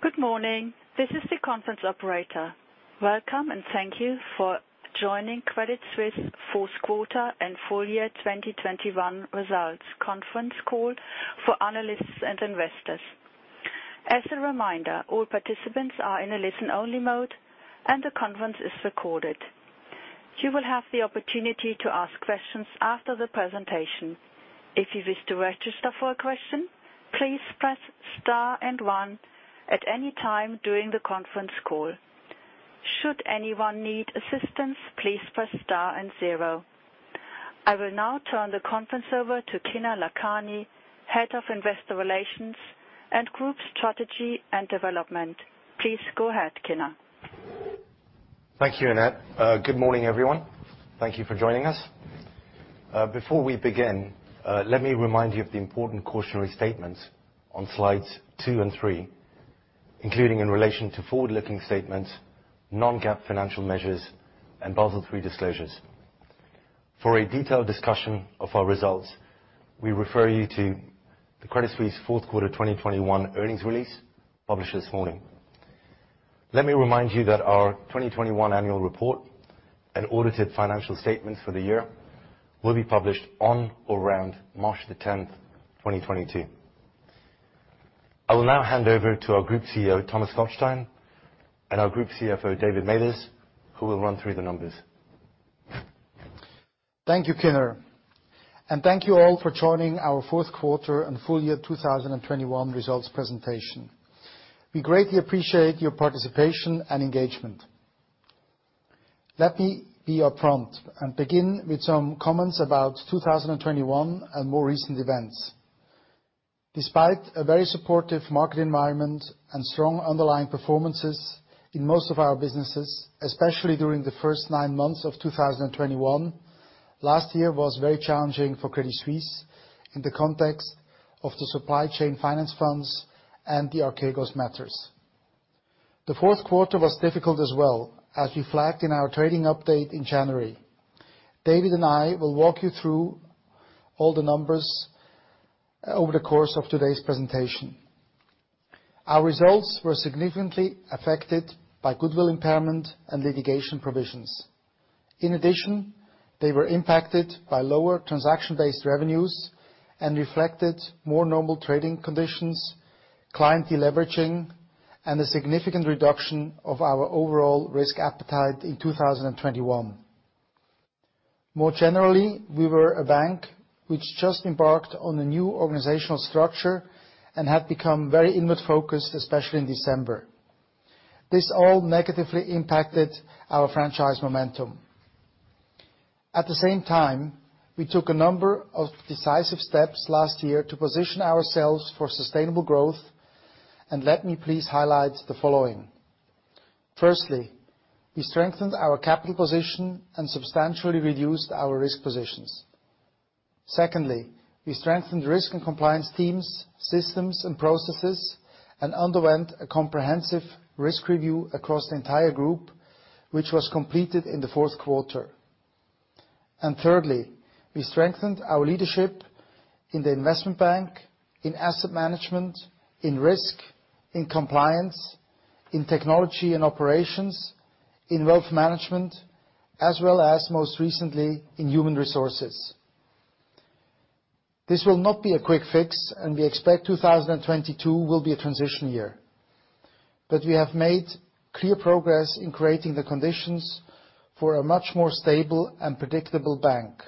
Good morning. This is the conference operator. Welcome and thank you for joining Credit Suisse fourth quarter and full year 2021 results conference call for analysts and investors. As a reminder, all participants are in a listen-only mode, and the conference is recorded. You will have the opportunity to ask questions after the presentation. If you wish to register for a question, please press star and one at any time during the conference call. Should anyone need assistance, please press star and zero. I will now turn the conference over to Kinner Lakhani, Head of Investor Relations and Group Strategy and Development. Please go ahead, Kinner. Thank you, Annette. Good morning, everyone. Thank you for joining us. Before we begin, let me remind you of the important cautionary statements on slides 2 and 3, including in relation to forward-looking statements, non-GAAP financial measures, and Basel III disclosures. For a detailed discussion of our results, we refer you to the Credit Suisse fourth quarter 2021 earnings release published this morning. Let me remind you that our 2021 annual report and audited financial statements for the year will be published on or around March 10, 2022. I will now hand over to our Group CEO, Thomas Gottstein, and our Group CFO, David Mathers, who will run through the numbers. Thank you, Kinner, and thank you all for joining our fourth quarter and full year 2021 results presentation. We greatly appreciate your participation and engagement. Let me be upfront and begin with some comments about 2021 and more recent events. Despite a very supportive market environment and strong underlying performances in most of our businesses, especially during the first nine months of 2021, last year was very challenging for Credit Suisse in the context of the supply chain finance funds and the Archegos matters. The fourth quarter was difficult as well, as we flagged in our trading update in January. David and I will walk you through all the numbers over the course of today's presentation. Our results were significantly affected by goodwill impairment and litigation provisions. In addition, they were impacted by lower transaction-based revenues and reflected more normal trading conditions, client deleveraging, and a significant reduction of our overall risk appetite in 2021. More generally, we were a bank which just embarked on a new organizational structure and had become very inward-focused, especially in December. This all negatively impacted our franchise momentum. At the same time, we took a number of decisive steps last year to position ourselves for sustainable growth, and let me please highlight the following. Firstly, we strengthened our capital position and substantially reduced our risk positions. Secondly, we strengthened risk and compliance teams, systems and processes, and underwent a comprehensive risk review across the entire group, which was completed in the fourth quarter. Thirdly, we strengthened our leadership in the investment bank, in asset management, in risk, in compliance, in technology and operations, in wealth management, as well as most recently in human resources. This will not be a quick fix, and we expect 2022 will be a transition year. We have made clear progress in creating the conditions for a much more stable and predictable bank,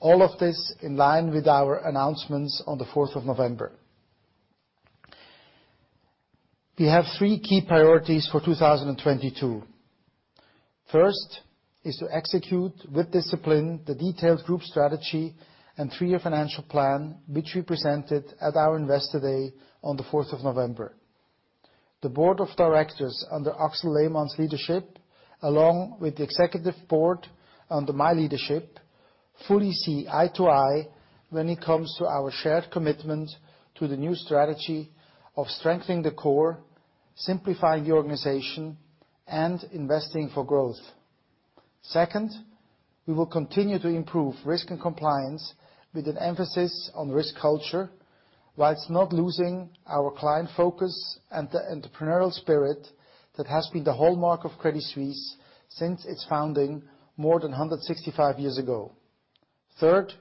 all of this in line with our announcements on November 4. We have three key priorities for 2022. First is to execute with discipline the detailed group strategy and three-year financial plan, which we presented at our Investor Day on November 4. The Board of Directors under Axel Lehmann's leadership, along with the Executive Board under my leadership, fully see eye to eye when it comes to our shared commitment to the new strategy of strengthening the core, simplifying the organization, and investing for growth. Second, we will continue to improve risk and compliance with an emphasis on risk culture while not losing our client focus and the entrepreneurial spirit that has been the hallmark of Credit Suisse since its founding more than 165 years ago. Third,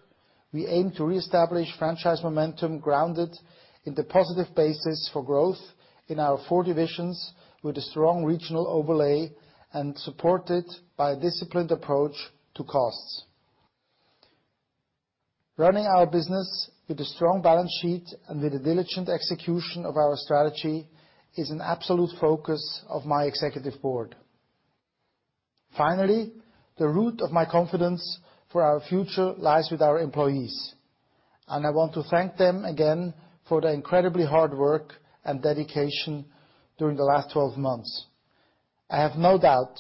we aim to reestablish franchise momentum grounded in the positive basis for growth in our four divisions with a strong regional overlay and supported by a disciplined approach to costs. Running our business with a strong balance sheet and with a diligent execution of our strategy is an absolute focus of my Executive Board. Finally, the root of my confidence for our future lies with our employees, and I want to thank them again for their incredibly hard work and dedication during the last 12 months. I have no doubt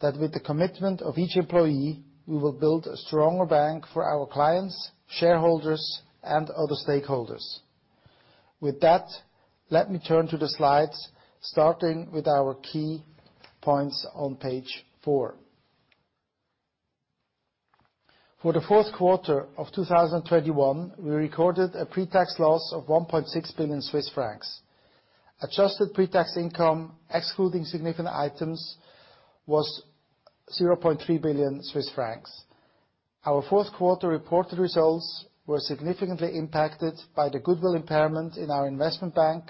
that with the commitment of each employee, we will build a stronger bank for our clients, shareholders, and other stakeholders. With that, let me turn to the slides, starting with our key points on page 4. For the fourth quarter of 2021, we recorded a pre-tax loss of 1.6 billion Swiss francs. Adjusted pre-tax income, excluding significant items, was 0.3 billion Swiss francs. Our fourth quarter reported results were significantly impacted by the goodwill impairment in our investment bank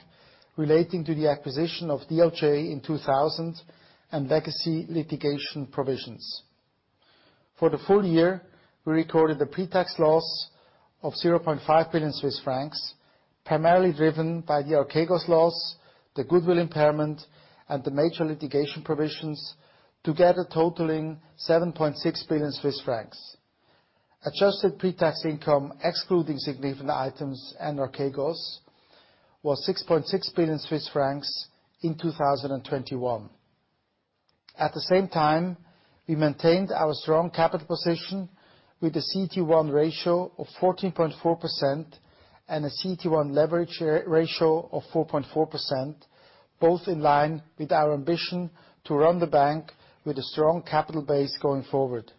relating to the acquisition of DLJ in 2000 and legacy litigation provisions. For the full year, we recorded a pre-tax loss of 0.5 billion Swiss francs, primarily driven by the Archegos loss, the goodwill impairment, and the major litigation provisions, together totaling 7.6 billion Swiss francs. Adjusted pre-tax income, excluding significant items and Archegos, was 6.6 billion Swiss francs in 2021. At the same time, we maintained our strong capital position with a CET1 ratio of 14.4% and a CET1 leverage ratio of 4.4%, both in line with our ambition to run the bank with a strong capital base going forward.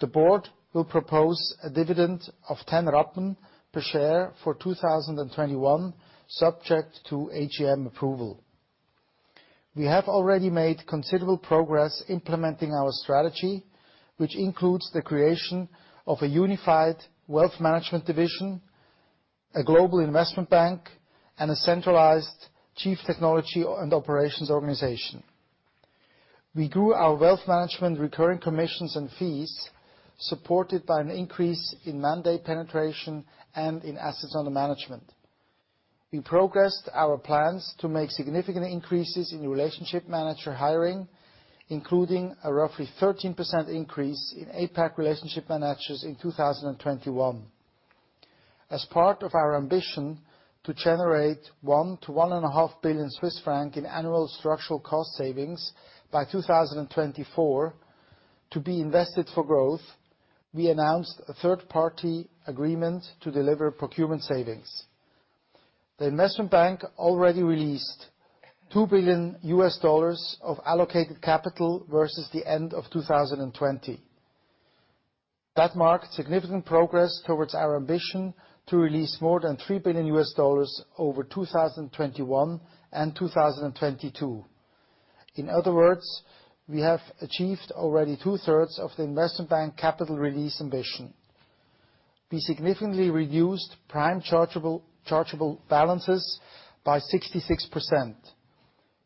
The board will propose a dividend of 10 Rappen per share for 2021, subject to AGM approval. We have already made considerable progress implementing our strategy, which includes the creation of a unified Wealth Management division, a Global Investment Bank, and a centralized Chief Technology and Operations organization. We grew our Wealth Management recurring commissions and fees, supported by an increase in mandate penetration and in assets under management. We progressed our plans to make significant increases in Relationship Manager hiring, including a roughly 13% increase in APAC Relationship Managers in 2021. As part of our ambition to generate 1 billion-1.5 billion Swiss francs in annual structural cost savings by 2024 to be invested for growth, we announced a third-party agreement to deliver procurement savings. The Investment Bank already released $2 billion of allocated capital versus the end of 2020. That marked significant progress towards our ambition to release more than $3 billion over 2021 and 2022. In other words, we have achieved already two-thirds of the investment bank capital release ambition. We significantly reduced prime chargeable balances by 66%.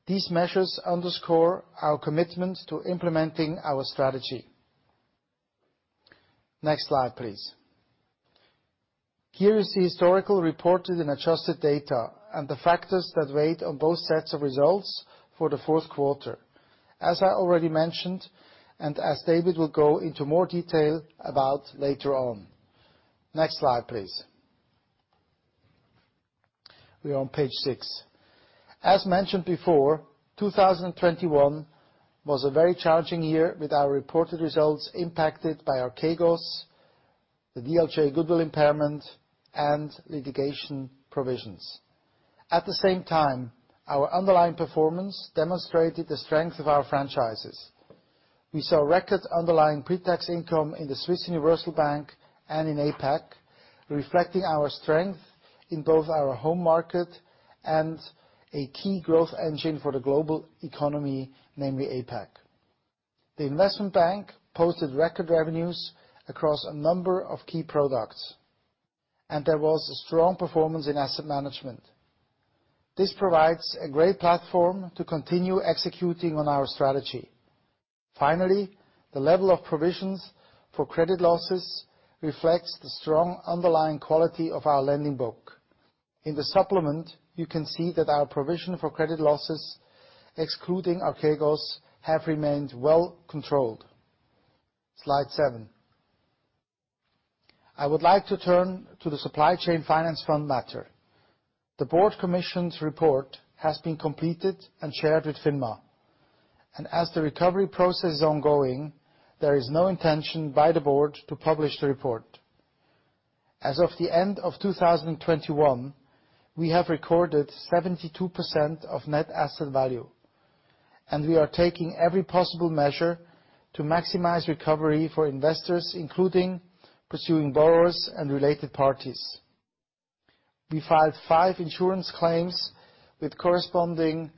These measures underscore our commitment to implementing our strategy. Next slide, please. Here is the historical reported and adjusted data and the factors that weighed on both sets of results for the fourth quarter, as I already mentioned, and as David will go into more detail about later on. Next slide, please. We are on page 6. As mentioned before, 2021 was a very challenging year with our reported results impacted by Archegos, the DLJ goodwill impairment, and litigation provisions. At the same time, our underlying performance demonstrated the strength of our franchises. We saw record underlying pre-tax income in the Swiss Universal Bank and in APAC, reflecting our strength in both our home market and a key growth engine for the global economy, namely APAC. The Investment Bank posted record revenues across a number of key products, and there was a strong performance in Asset Management. This provides a great platform to continue executing on our strategy. Finally, the level of provisions for credit losses reflects the strong underlying quality of our lending book. In the supplement, you can see that our provision for credit losses, excluding Archegos, have remained well controlled. Slide seven. I would like to turn to the supply chain finance fund matter The board commissioned report has been completed and shared with FINMA. As the recovery process is ongoing, there is no intention by the board to publish the report. As of the end of 2021, we have recorded 72% of net asset value, and we are taking every possible measure to maximize recovery for investors, including pursuing borrowers and related parties. We filed 5 insurance claims with corresponding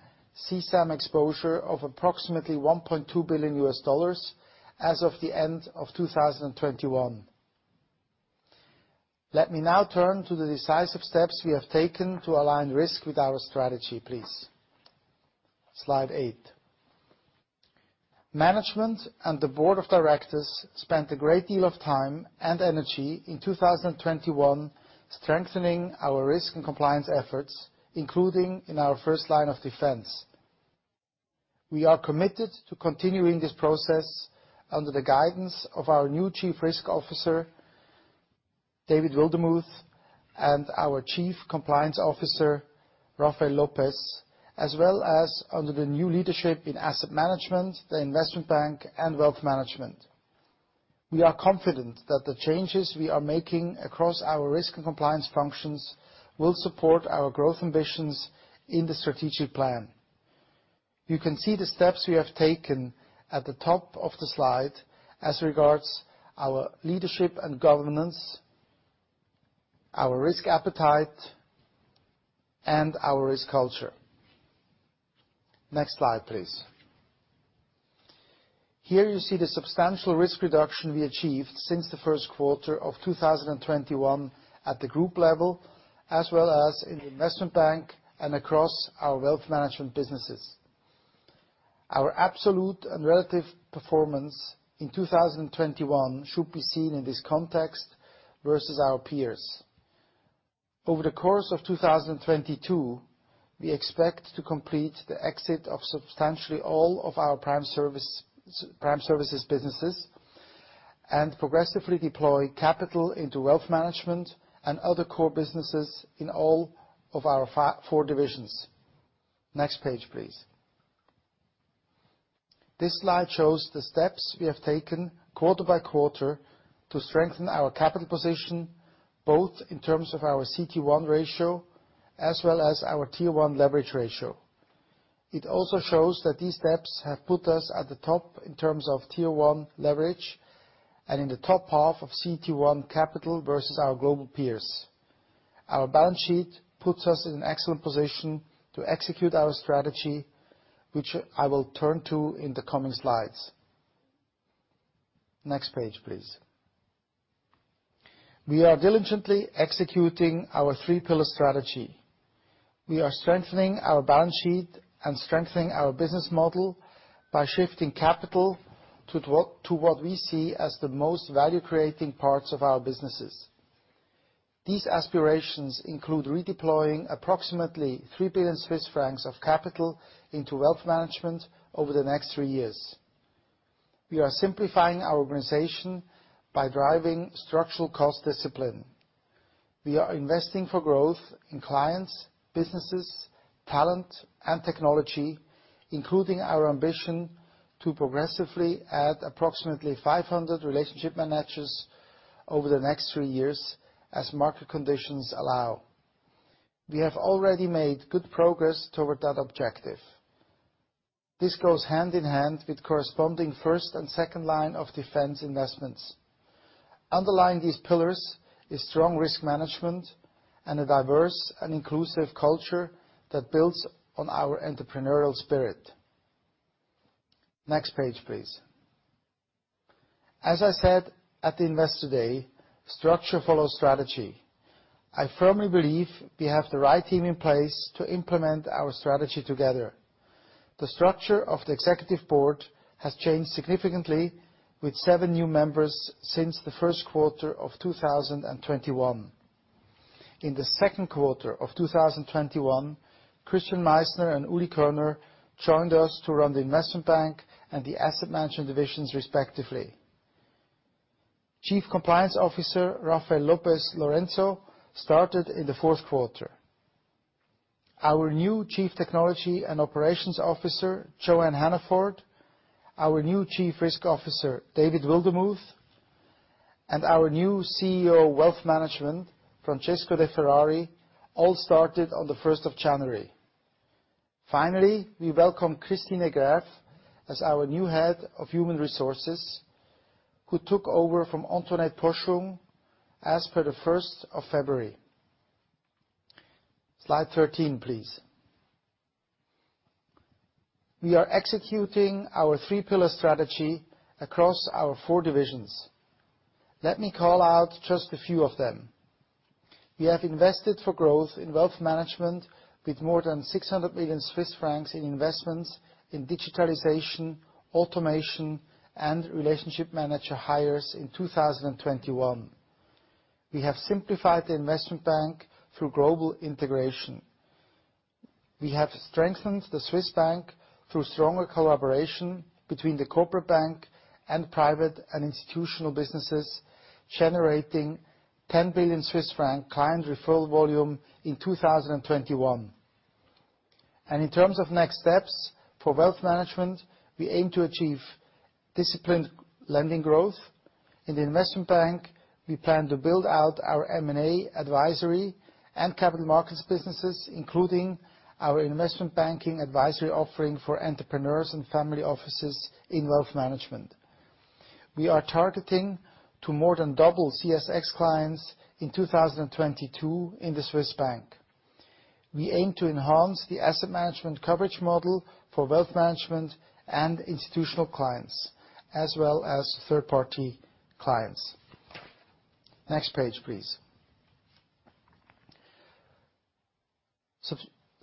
CSAM exposure of approximately $1.2 billion as of the end of 2021. Let me now turn to the decisive steps we have taken to align risk with our strategy, please. Slide 8. Management and the board of directors spent a great deal of time and energy in 2021 strengthening our risk and compliance efforts, including in our first line of defense. We are committed to continuing this process under the guidance of our new Chief Risk Officer, David Wildermuth, and our Chief Compliance Officer, Rafael Lopez, as well as under the new leadership in asset management, the investment bank, and wealth management. We are confident that the changes we are making across our risk and compliance functions will support our growth ambitions in the strategic plan. You can see the steps we have taken at the top of the slide as regards our leadership and governance, our risk appetite, and our risk culture. Next slide, please. Here you see the substantial risk reduction we achieved since the first quarter of 2021 at the group level, as well as in the investment bank and across our wealth management businesses. Our absolute and relative performance in 2021 should be seen in this context versus our peers. Over the course of 2022, we expect to complete the exit of substantially all of our prime services businesses and progressively deploy capital into wealth management and other core businesses in all of our four divisions. Next page, please. This slide shows the steps we have taken quarter by quarter to strengthen our capital position, both in terms of our CET1 ratio as well as our Tier 1 leverage ratio. It also shows that these steps have put us at the top in terms of Tier 1 leverage and in the top half of CET1 capital versus our global peers. Our balance sheet puts us in excellent position to execute our strategy, which I will turn to in the coming slides. Next page, please. We are diligently executing our three pillar strategy. We are strengthening our balance sheet and strengthening our business model by shifting capital to what we see as the most value-creating parts of our businesses. These aspirations include redeploying approximately 3 billion Swiss francs of capital into wealth management over the next 3 years. We are simplifying our organization by driving structural cost discipline. We are investing for growth in clients, businesses, talent, and technology, including our ambition to progressively add approximately 500 relationship managers over the next 3 years as market conditions allow. We have already made good progress toward that objective. This goes hand in hand with corresponding first and second line of defense investments. Underlying these pillars is strong risk management and a diverse and inclusive culture that builds on our entrepreneurial spirit. Next page, please. As I said at Investor Day, structure follows strategy. I firmly believe we have the right team in place to implement our strategy together. The structure of the Executive Board has changed significantly with 7 new members since the first quarter of 2021. In the second quarter of 2021, Christian Meissner and Ulrich Körner joined us to run the investment bank and the asset management divisions respectively. Chief Compliance Officer Rafael Lopez Lorenzo started in the fourth quarter. Our new Chief Technology and Operations Officer, Joanne Hannaford, our new Chief Risk Officer, David Wildermuth, and our new CEO of Wealth Management, Francesco De Ferrari, all started on the first of January. Finally, we welcome Christine Graeff as our new head of human resources, who took over from Antoinette Poschung as per the first of February. Slide 13, please. We are executing our three-pillar strategy across our 4 divisions. Let me call out just a few of them. We have invested for growth in wealth management with more than 600 million Swiss francs in investments in digitalization, automation, and relationship manager hires in 2021. We have simplified the investment bank through global integration. We have strengthened the Swiss bank through stronger collaboration between the corporate bank and private and institutional businesses, generating 10 billion Swiss franc client referral volume in 2021. In terms of next steps for wealth management, we aim to achieve disciplined lending growth. In the investment bank, we plan to build out our M&A advisory and capital markets businesses, including our investment banking advisory offering for entrepreneurs and family offices in wealth management. We are targeting to more than double CSX clients in 2022 in the Swiss bank. We aim to enhance the asset management coverage model for wealth management and institutional clients, as well as third-party clients. Next page, please.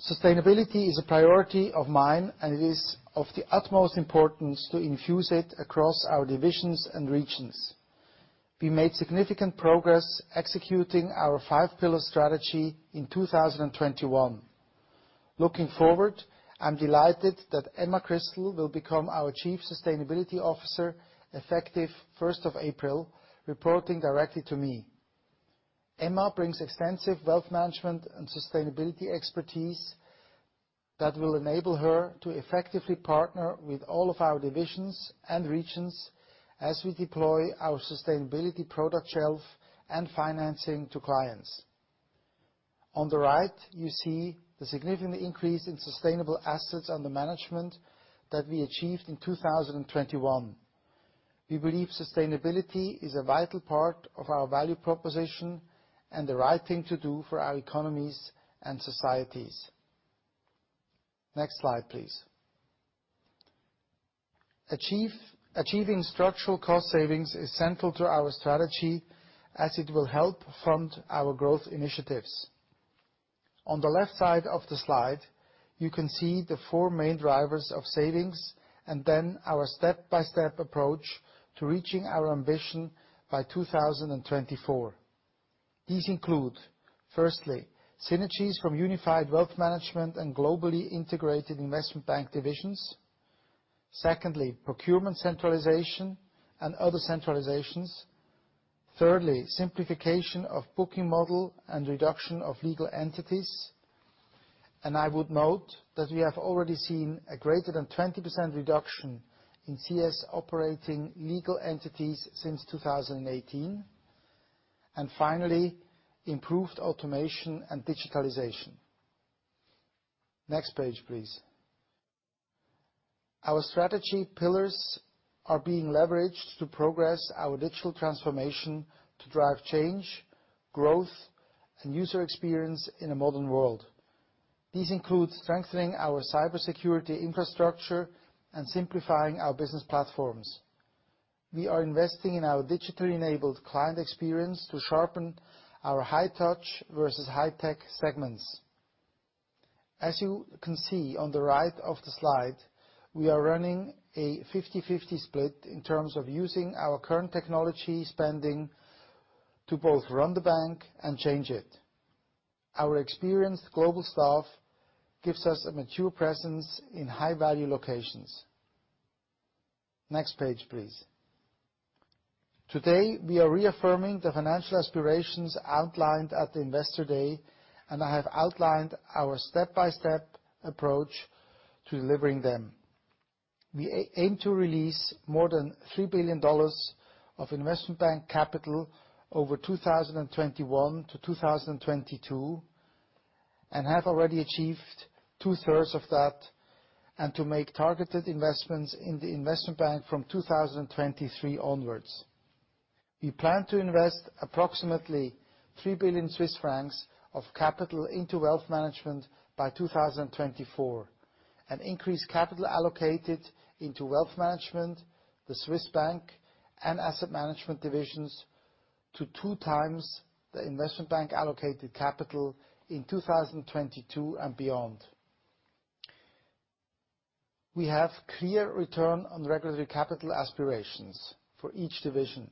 Sustainability is a priority of mine, and it is of the utmost importance to infuse it across our divisions and regions. We made significant progress executing our five pillar strategy in 2021. Looking forward, I'm delighted that Emma Crystal will become our Chief Sustainability Officer effective April 1, reporting directly to me. Emma brings extensive wealth management and sustainability expertise that will enable her to effectively partner with all of our divisions and regions as we deploy our sustainability product shelf and financing to clients. On the right, you see the significant increase in sustainable assets under management that we achieved in 2021. We believe sustainability is a vital part of our value proposition and the right thing to do for our economies and societies. Next slide, please. Achieving structural cost savings is central to our strategy as it will help fund our growth initiatives. On the left side of the slide, you can see the four main drivers of savings, and then our step-by-step approach to reaching our ambition by 2024. These include, firstly, synergies from unified wealth management and globally integrated investment bank divisions. Secondly, procurement centralization and other centralizations. Thirdly, simplification of booking model and reduction of legal entities. I would note that we have already seen a greater than 20% reduction in CS operating legal entities since 2018. Finally, improved automation and digitalization. Next page, please. Our strategy pillars are being leveraged to progress our digital transformation to drive change, growth, and user experience in a modern world. These include strengthening our cybersecurity infrastructure and simplifying our business platforms. We are investing in our digitally enabled client experience to sharpen our high-touch versus high-tech segments. As you can see on the right of the slide, we are running a 50/50 split in terms of using our current technology spending to both run the bank and change it. Our experienced global staff gives us a mature presence in high-value locations. Next page, please. Today, we are reaffirming the financial aspirations outlined at the Investor Day, and I have outlined our step-by-step approach to delivering them. We aim to release more than $3 billion of investment bank capital over 2021-2022, and have already achieved two-thirds of that, and to make targeted investments in the investment bank from 2023 onwards. We plan to invest approximately 3 billion Swiss francs of capital into wealth management by 2024, and increase capital allocated into wealth management, the Swiss bank, and asset management divisions to 2 times the investment bank allocated capital in 2022 and beyond. We have clear return on regulatory capital aspirations for each division.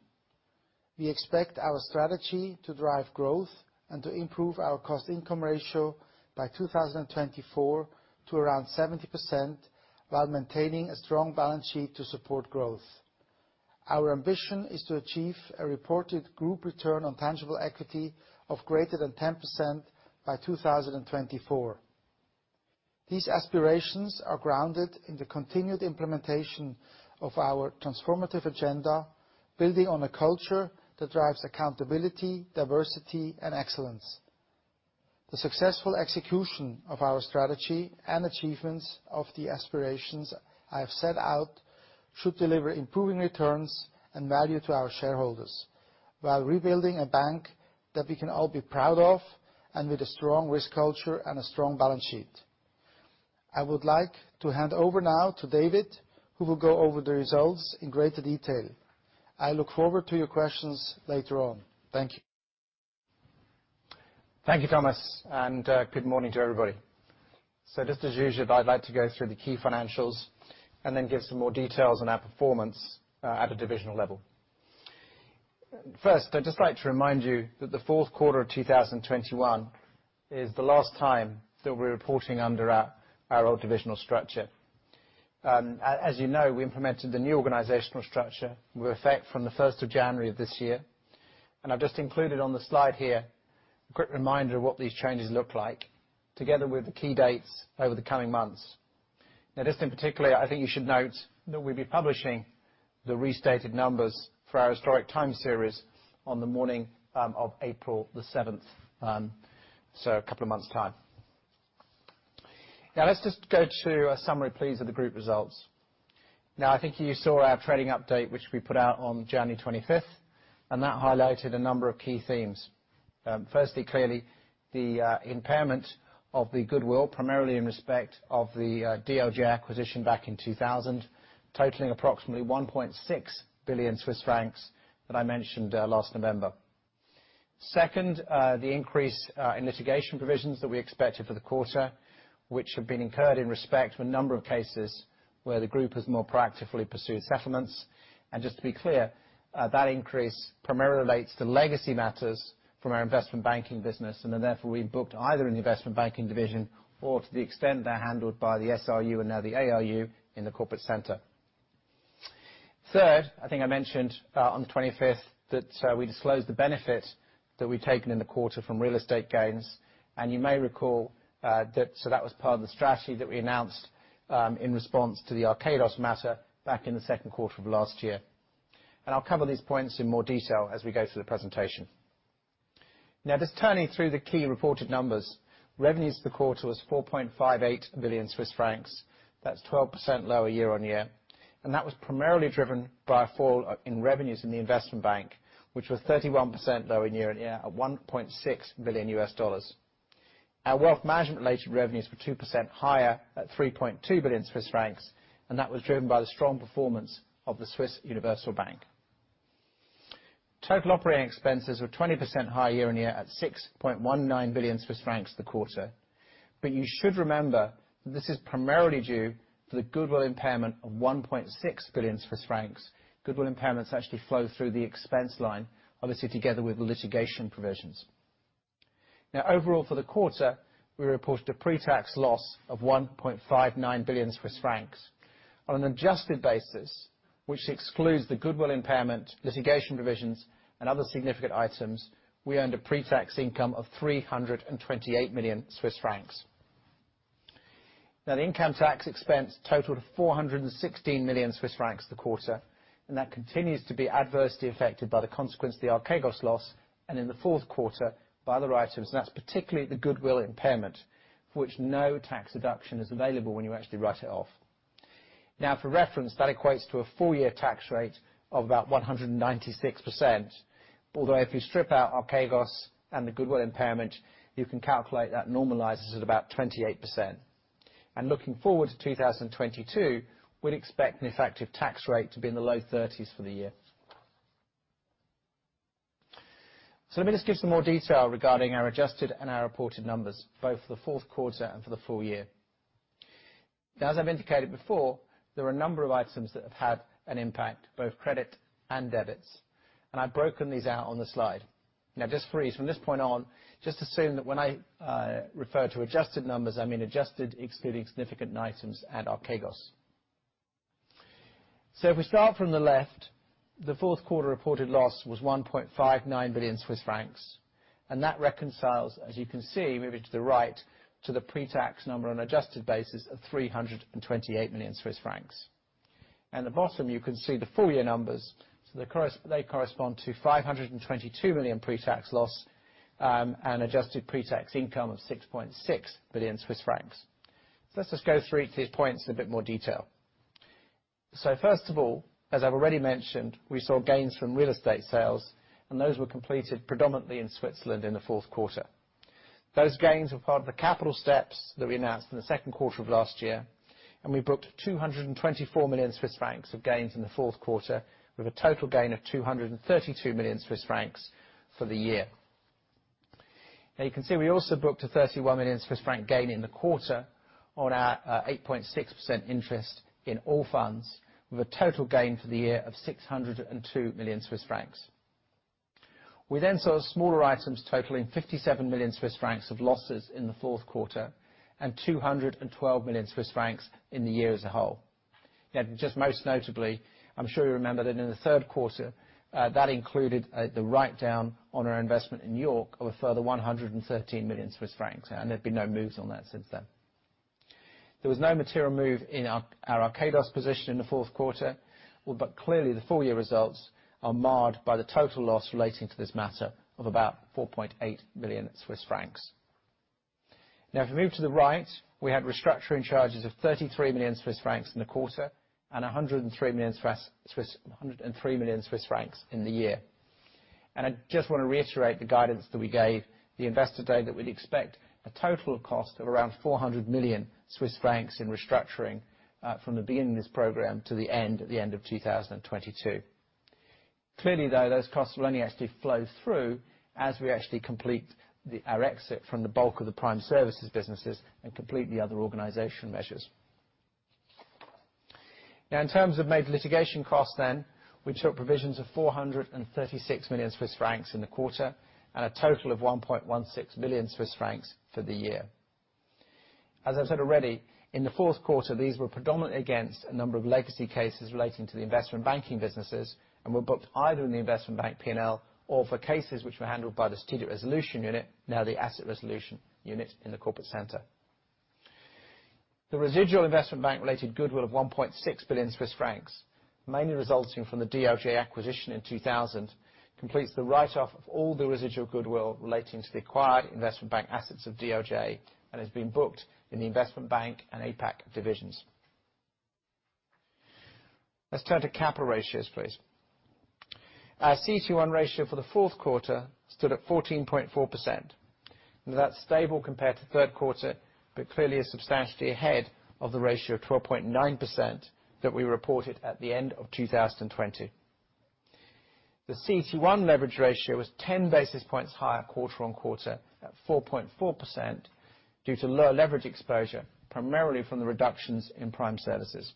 We expect our strategy to drive growth and to improve our cost-income ratio by 2024 to around 70% while maintaining a strong balance sheet to support growth. Our ambition is to achieve a reported group return on tangible equity of greater than 10% by 2024. These aspirations are grounded in the continued implementation of our transformative agenda, building on a culture that drives accountability, diversity, and excellence. The successful execution of our strategy and achievements of the aspirations I have set out should deliver improving returns and value to our shareholders while rebuilding a bank that we can all be proud of and with a strong risk culture and a strong balance sheet. I would like to hand over now to David, who will go over the results in greater detail. I look forward to your questions later on. Thank you. Thank you, Thomas, and good morning to everybody. Just as usual, I'd like to go through the key financials and then give some more details on our performance at a divisional level. First, I'd just like to remind you that the fourth quarter of 2021 is the last time that we're reporting under our old divisional structure. As you know, we implemented the new organizational structure with effect from the first of January of this year. I've just included on the slide here a quick reminder of what these changes look like, together with the key dates over the coming months. Now, just in particular, I think you should note that we'll be publishing the restated numbers for our historic time series on the morning of April 7, so a couple of months' time. Now, let's just go to a summary, please, of the group results. Now, I think you saw our trading update, which we put out on January 25, and that highlighted a number of key themes. Firstly, clearly the impairment of the goodwill, primarily in respect of the DLJ acquisition back in 2000, totaling approximately 1.6 billion Swiss francs that I mentioned last November. Second, the increase in litigation provisions that we expected for the quarter, which have been incurred in respect to a number of cases where the group has more proactively pursued settlements. Just to be clear, that increase primarily relates to legacy matters from our investment banking business, and then therefore we booked either in the investment banking division or to the extent they're handled by the SRU and now the ARU in the corporate center. Third, I think I mentioned on the 25th that we disclosed the benefit that we'd taken in the quarter from real estate gains. You may recall that so that was part of the strategy that we announced in response to the Archegos matter back in the second quarter of last year. I'll cover these points in more detail as we go through the presentation. Now, just turning through the key reported numbers. Revenues for the quarter was 4.58 billion Swiss francs. That's 12% lower year-on-year. That was primarily driven by a fall in revenues in the investment bank, which was 31% lower year-on-year at $1.6 billion. Our wealth management related revenues were 2% higher at 3.2 billion Swiss francs, and that was driven by the strong performance of the Swiss Universal Bank. Total operating expenses were 20% higher year on year at 6.19 billion Swiss francs for the quarter. You should remember that this is primarily due to the goodwill impairment of 1.6 billion Swiss francs. Goodwill impairments actually flow through the expense line, obviously together with the litigation provisions. Now overall for the quarter, we reported a pre-tax loss of 1.59 billion Swiss francs. On an adjusted basis, which excludes the goodwill impairment, litigation provisions, and other significant items, we earned a pre-tax income of 328 million Swiss francs. The income tax expense totaled 416 million Swiss francs for the quarter, and that continues to be adversely affected by the consequence of the Archegos loss, and in the fourth quarter, by other items. That's particularly the goodwill impairment, for which no tax deduction is available when you actually write it off. For reference, that equates to a full year tax rate of about 196%. Although if you strip out Archegos and the goodwill impairment, you can calculate that normalizes at about 28%. Looking forward to 2022, we'd expect an effective tax rate to be in the low 30s% for the year. Let me just give some more detail regarding our adjusted and our reported numbers, both for the fourth quarter and for the full year. Now as I've indicated before, there are a number of items that have had an impact, both credits and debits, and I've broken these out on the slide. Now just for ease, from this point on, just assume that when I refer to adjusted numbers, I mean adjusted excluding significant items and Archegos. If we start from the left, the fourth quarter reported loss was 1.59 billion Swiss francs, and that reconciles, as you can see moving to the right, to the pre-tax number on adjusted basis of 328 million Swiss francs. At the bottom, you can see the full year numbers. They correspond to 522 million pre-tax loss, and adjusted pre-tax income of 6.6 billion Swiss francs. Let's just go through each of these points in a bit more detail. First of all, as I've already mentioned, we saw gains from real estate sales, and those were completed predominantly in Switzerland in the fourth quarter. Those gains were part of the capital steps that we announced in the second quarter of last year, and we booked 224 million Swiss francs of gains in the fourth quarter, with a total gain of 232 million Swiss francs for the year. Now you can see we also booked a 31 million Swiss franc gain in the quarter on our 8.6% interest in Allfunds, with a total gain for the year of 602 million Swiss francs. We then saw smaller items totaling 57 million Swiss francs of losses in the fourth quarter and 212 million Swiss francs in the year as a whole. Now just most notably, I'm sure you remember that in the third quarter, that included the write-down on our investment in York of a further 113 million Swiss francs, and there have been no moves on that since then. There was no material move in our Archegos position in the fourth quarter, but clearly the full year results are marred by the total loss relating to this matter of about 4.8 billion Swiss francs. Now if we move to the right, we had restructuring charges of 33 million Swiss francs in the quarter, and 103 million Swiss francs in the year. I just wanna reiterate the guidance that we gave the Investor Day that we'd expect a total cost of around 400 million Swiss francs in restructuring from the beginning of this program to the end, at the end of 2022. Clearly, though, those costs will only actually flow through as we actually complete our exit from the bulk of the Prime Services businesses and complete the other organization measures. Now in terms of major litigation costs then, we took provisions of 436 million Swiss francs in the quarter, and a total of 1.16 billion Swiss francs for the year. As I've said already, in the fourth quarter, these were predominantly against a number of legacy cases relating to the investment banking businesses, and were booked either in the investment bank P&L or for cases which were handled by the Strategic Resolution Unit, now the Asset Resolution Unit in the corporate center. The residual investment bank related goodwill of 1.6 billion Swiss francs, mainly resulting from the DLJ acquisition in 2000, completes the write-off of all the residual goodwill relating to the acquired investment bank assets of DLJ, and has been booked in the investment bank and APAC divisions. Let's turn to capital ratios please. Our CET1 ratio for the fourth quarter stood at 14.4%. That's stable compared to the third quarter, but clearly is substantially ahead of the ratio of 12.9% that we reported at the end of 2020. The CET1 leverage ratio was 10 basis points higher quarter-on-quarter at 4.4% due to lower leverage exposure, primarily from the reductions in Prime Services.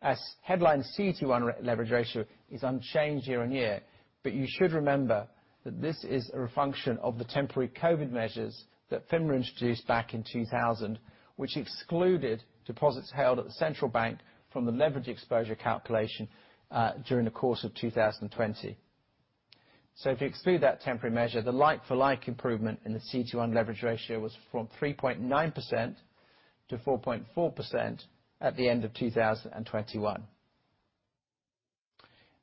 The headline CET1 leverage ratio is unchanged year-on-year. But you should remember that this is a function of the temporary COVID measures that FINMA introduced back in 2020, which excluded deposits held at the central bank from the leverage exposure calculation during the course of 2020. If you exclude that temporary measure, the like-for-like improvement in the CET1 leverage ratio was from 3.9% to 4.4% at the end of 2021.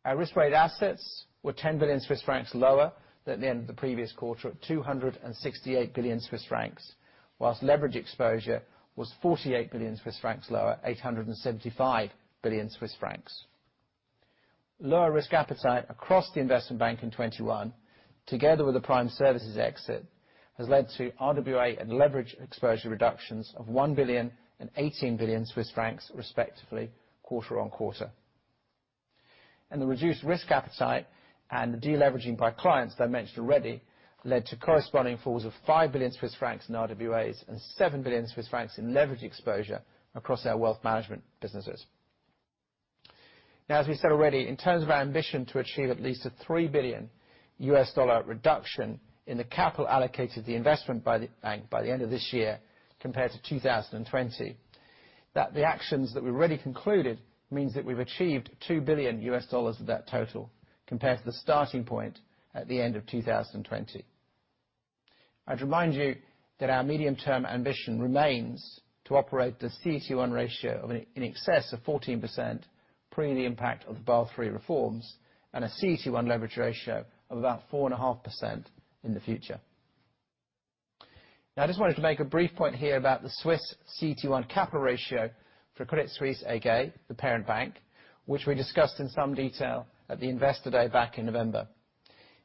Our risk-weighted assets were 10 billion Swiss francs lower than the end of the previous quarter at 268 billion Swiss francs, while leverage exposure was 48 billion Swiss francs lower, 875 billion Swiss francs. Lower risk appetite across the investment bank in 2021, together with the prime services exit, has led to RWA and leverage exposure reductions of 1 billion and 18 billion Swiss francs respectively quarter on quarter. The reduced risk appetite and the de-leveraging by clients that I mentioned already led to corresponding falls of 5 billion Swiss francs in RWAs and 7 billion Swiss francs in leverage exposure across our wealth management businesses. As we said already, in terms of our ambition to achieve at least a $3 billion reduction in the capital allocated to the Investment Bank by the end of this year compared to 2020, the actions that we already concluded means that we've achieved $2 billion of that total compared to the starting point at the end of 2020. I'd remind you that our medium-term ambition remains to operate the CET1 ratio in excess of 14% pre the impact of the Basel III reforms and a CET1 leverage ratio of about 4.5% in the future. Now, I just wanted to make a brief point here about the Swiss CET1 capital ratio for Credit Suisse AG, the parent bank, which we discussed in some detail at the Investor Day back in November.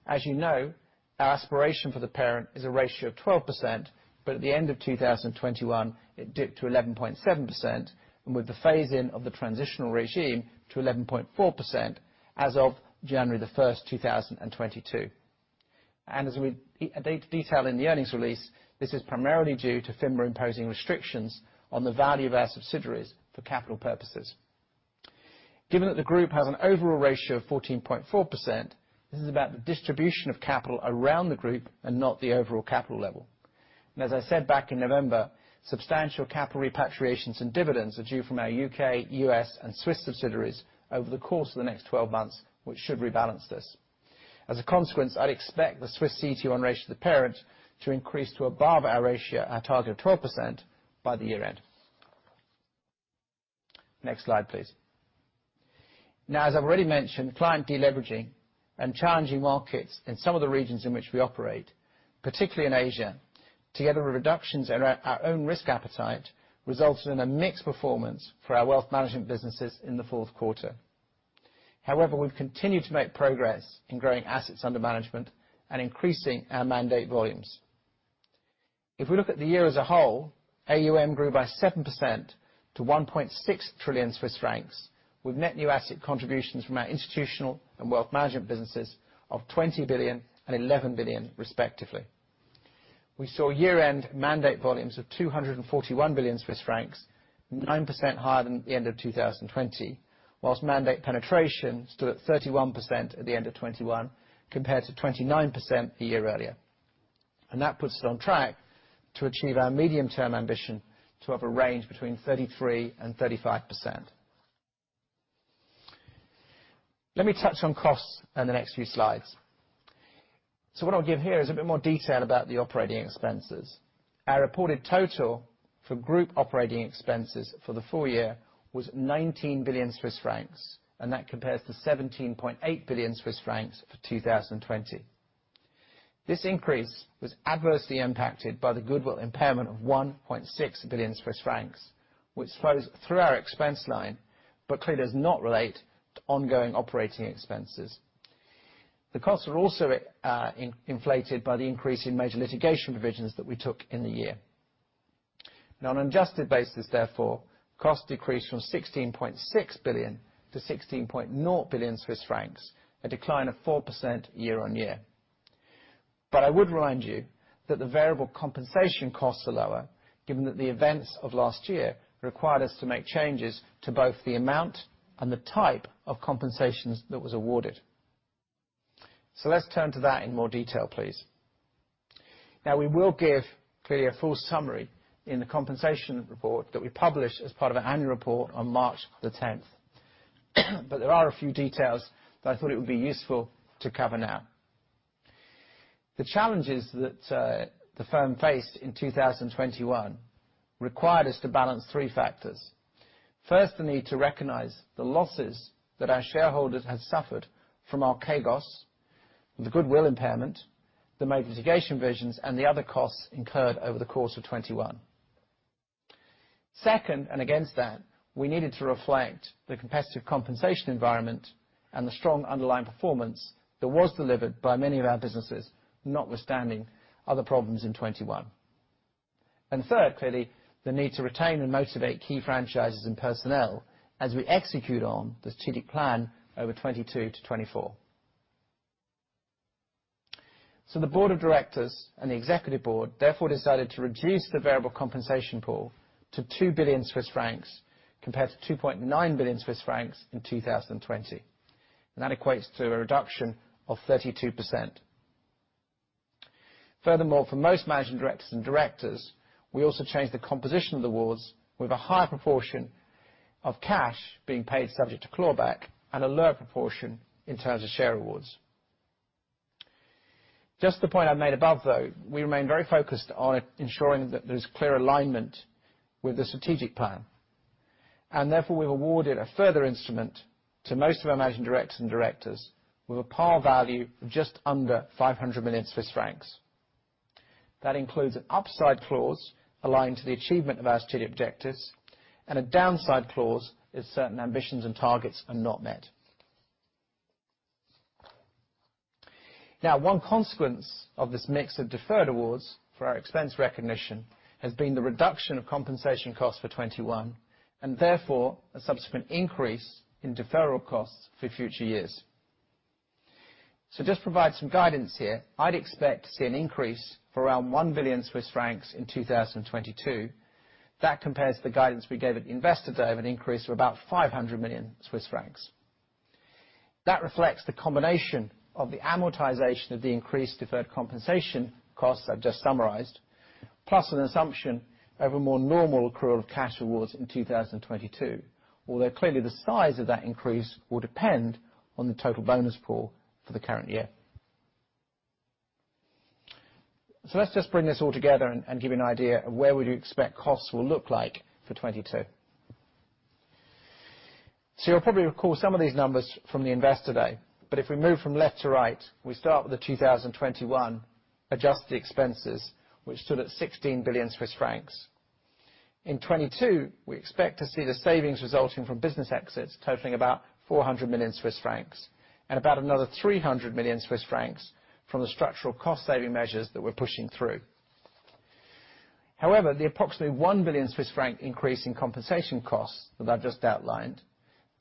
As you know, our aspiration for the parent is a ratio of 12%, but at the end of 2021, it dipped to 11.7%, and with the phase in of the transitional regime to 11.4% as of January 1, 2022. As we detail in the earnings release, this is primarily due to FINMA imposing restrictions on the value of our subsidiaries for capital purposes. Given that the group has an overall ratio of 14.4%, this is about the distribution of capital around the group and not the overall capital level. As I said back in November, substantial capital repatriations and dividends are due from our UK, US, and Swiss subsidiaries over the course of the next 12 months, which should rebalance this. As a consequence, I'd expect the Swiss CET1 ratio of the parent to increase to above our ratio, our target of 12% by the year-end. Next slide, please. Now, as I've already mentioned, client de-leveraging and challenging markets in some of the regions in which we operate, particularly in Asia, together with reductions in our own risk appetite, resulted in a mixed performance for our wealth management businesses in the fourth quarter. However, we've continued to make progress in growing assets under management and increasing our mandate volumes. If we look at the year as a whole, AUM grew by 7% to 1.6 trillion Swiss francs, with net new asset contributions from our institutional and wealth management businesses of 20 billion and 11 billion, respectively. We saw year-end mandate volumes of 241 billion Swiss francs, 9% higher than the end of 2020, while mandate penetration stood at 31% at the end of 2021, compared to 29% a year earlier. That puts us on track to achieve our medium-term ambition to have a range between 33%-35%. Let me touch on costs in the next few slides. What I'll give here is a bit more detail about the operating expenses. Our reported total for group operating expenses for the full year was 19 billion Swiss francs, and that compares to 17.8 billion Swiss francs for 2020. This increase was adversely impacted by the goodwill impairment of 1.6 billion Swiss francs, which flows through our expense line, but clearly does not relate to ongoing operating expenses. The costs were also inflated by the increase in major litigation provisions that we took in the year. On an adjusted basis therefore, costs decreased from 16.6 billion to 16.0 billion Swiss francs, a decline of 4% year-on-year. I would remind you that the variable compensation costs are lower given that the events of last year required us to make changes to both the amount and the type of compensations that was awarded. Let's turn to that in more detail, please. Now, we will give clearly a full summary in the compensation report that we publish as part of our annual report on March 10. There are a few details that I thought it would be useful to cover now. The challenges that the firm faced in 2021 required us to balance three factors. First, the need to recognize the losses that our shareholders had suffered from Archegos, the goodwill impairment, the major litigation provisions, and the other costs incurred over the course of 2021. Second, and against that, we needed to reflect the competitive compensation environment and the strong underlying performance that was delivered by many of our businesses, notwithstanding other problems in 2021. Third, clearly the need to retain and motivate key franchises and personnel as we execute on the strategic plan over 2022 to 2024. The Board of Directors and the Executive Board therefore decided to reduce the variable compensation pool to 2 billion Swiss francs compared to 2.9 billion Swiss francs in 2020. That equates to a reduction of 32%. Furthermore, for most managing directors and directors, we also changed the composition of the awards with a higher proportion of cash being paid subject to clawback and a lower proportion in terms of share awards. Just the point I made above, though, we remain very focused on ensuring that there's clear alignment with the strategic plan. Therefore, we've awarded a further instrument to most of our managing directors and directors with a par value of just under 500 million Swiss francs. That includes an upside clause aligned to the achievement of our strategic objectives, and a downside clause if certain ambitions and targets are not met. Now, one consequence of this mix of deferred awards for our expense recognition has been the reduction of compensation costs for 2021, and therefore, a subsequent increase in deferral costs for future years. So just provide some guidance here. I'd expect to see an increase for around 1 billion Swiss francs in 2022. That compares to the guidance we gave at Investor Day of an increase of about 500 million Swiss francs. That reflects the combination of the amortization of the increased deferred compensation costs I've just summarized, plus an assumption of a more normal accrual of cash awards in 2022. Although clearly the size of that increase will depend on the total bonus pool for the current year. Let's just bring this all together and give you an idea of where would you expect costs will look like for 2022. You'll probably recall some of these numbers from the Investor Day. If we move from left to right, we start with the 2021 adjusted expenses, which stood at 16 billion Swiss francs. In 2022, we expect to see the savings resulting from business exits totaling about 400 million Swiss francs and about another 300 million Swiss francs from the structural cost-saving measures that we're pushing through. However, the approximately 1 billion Swiss franc increase in compensation costs that I've just outlined,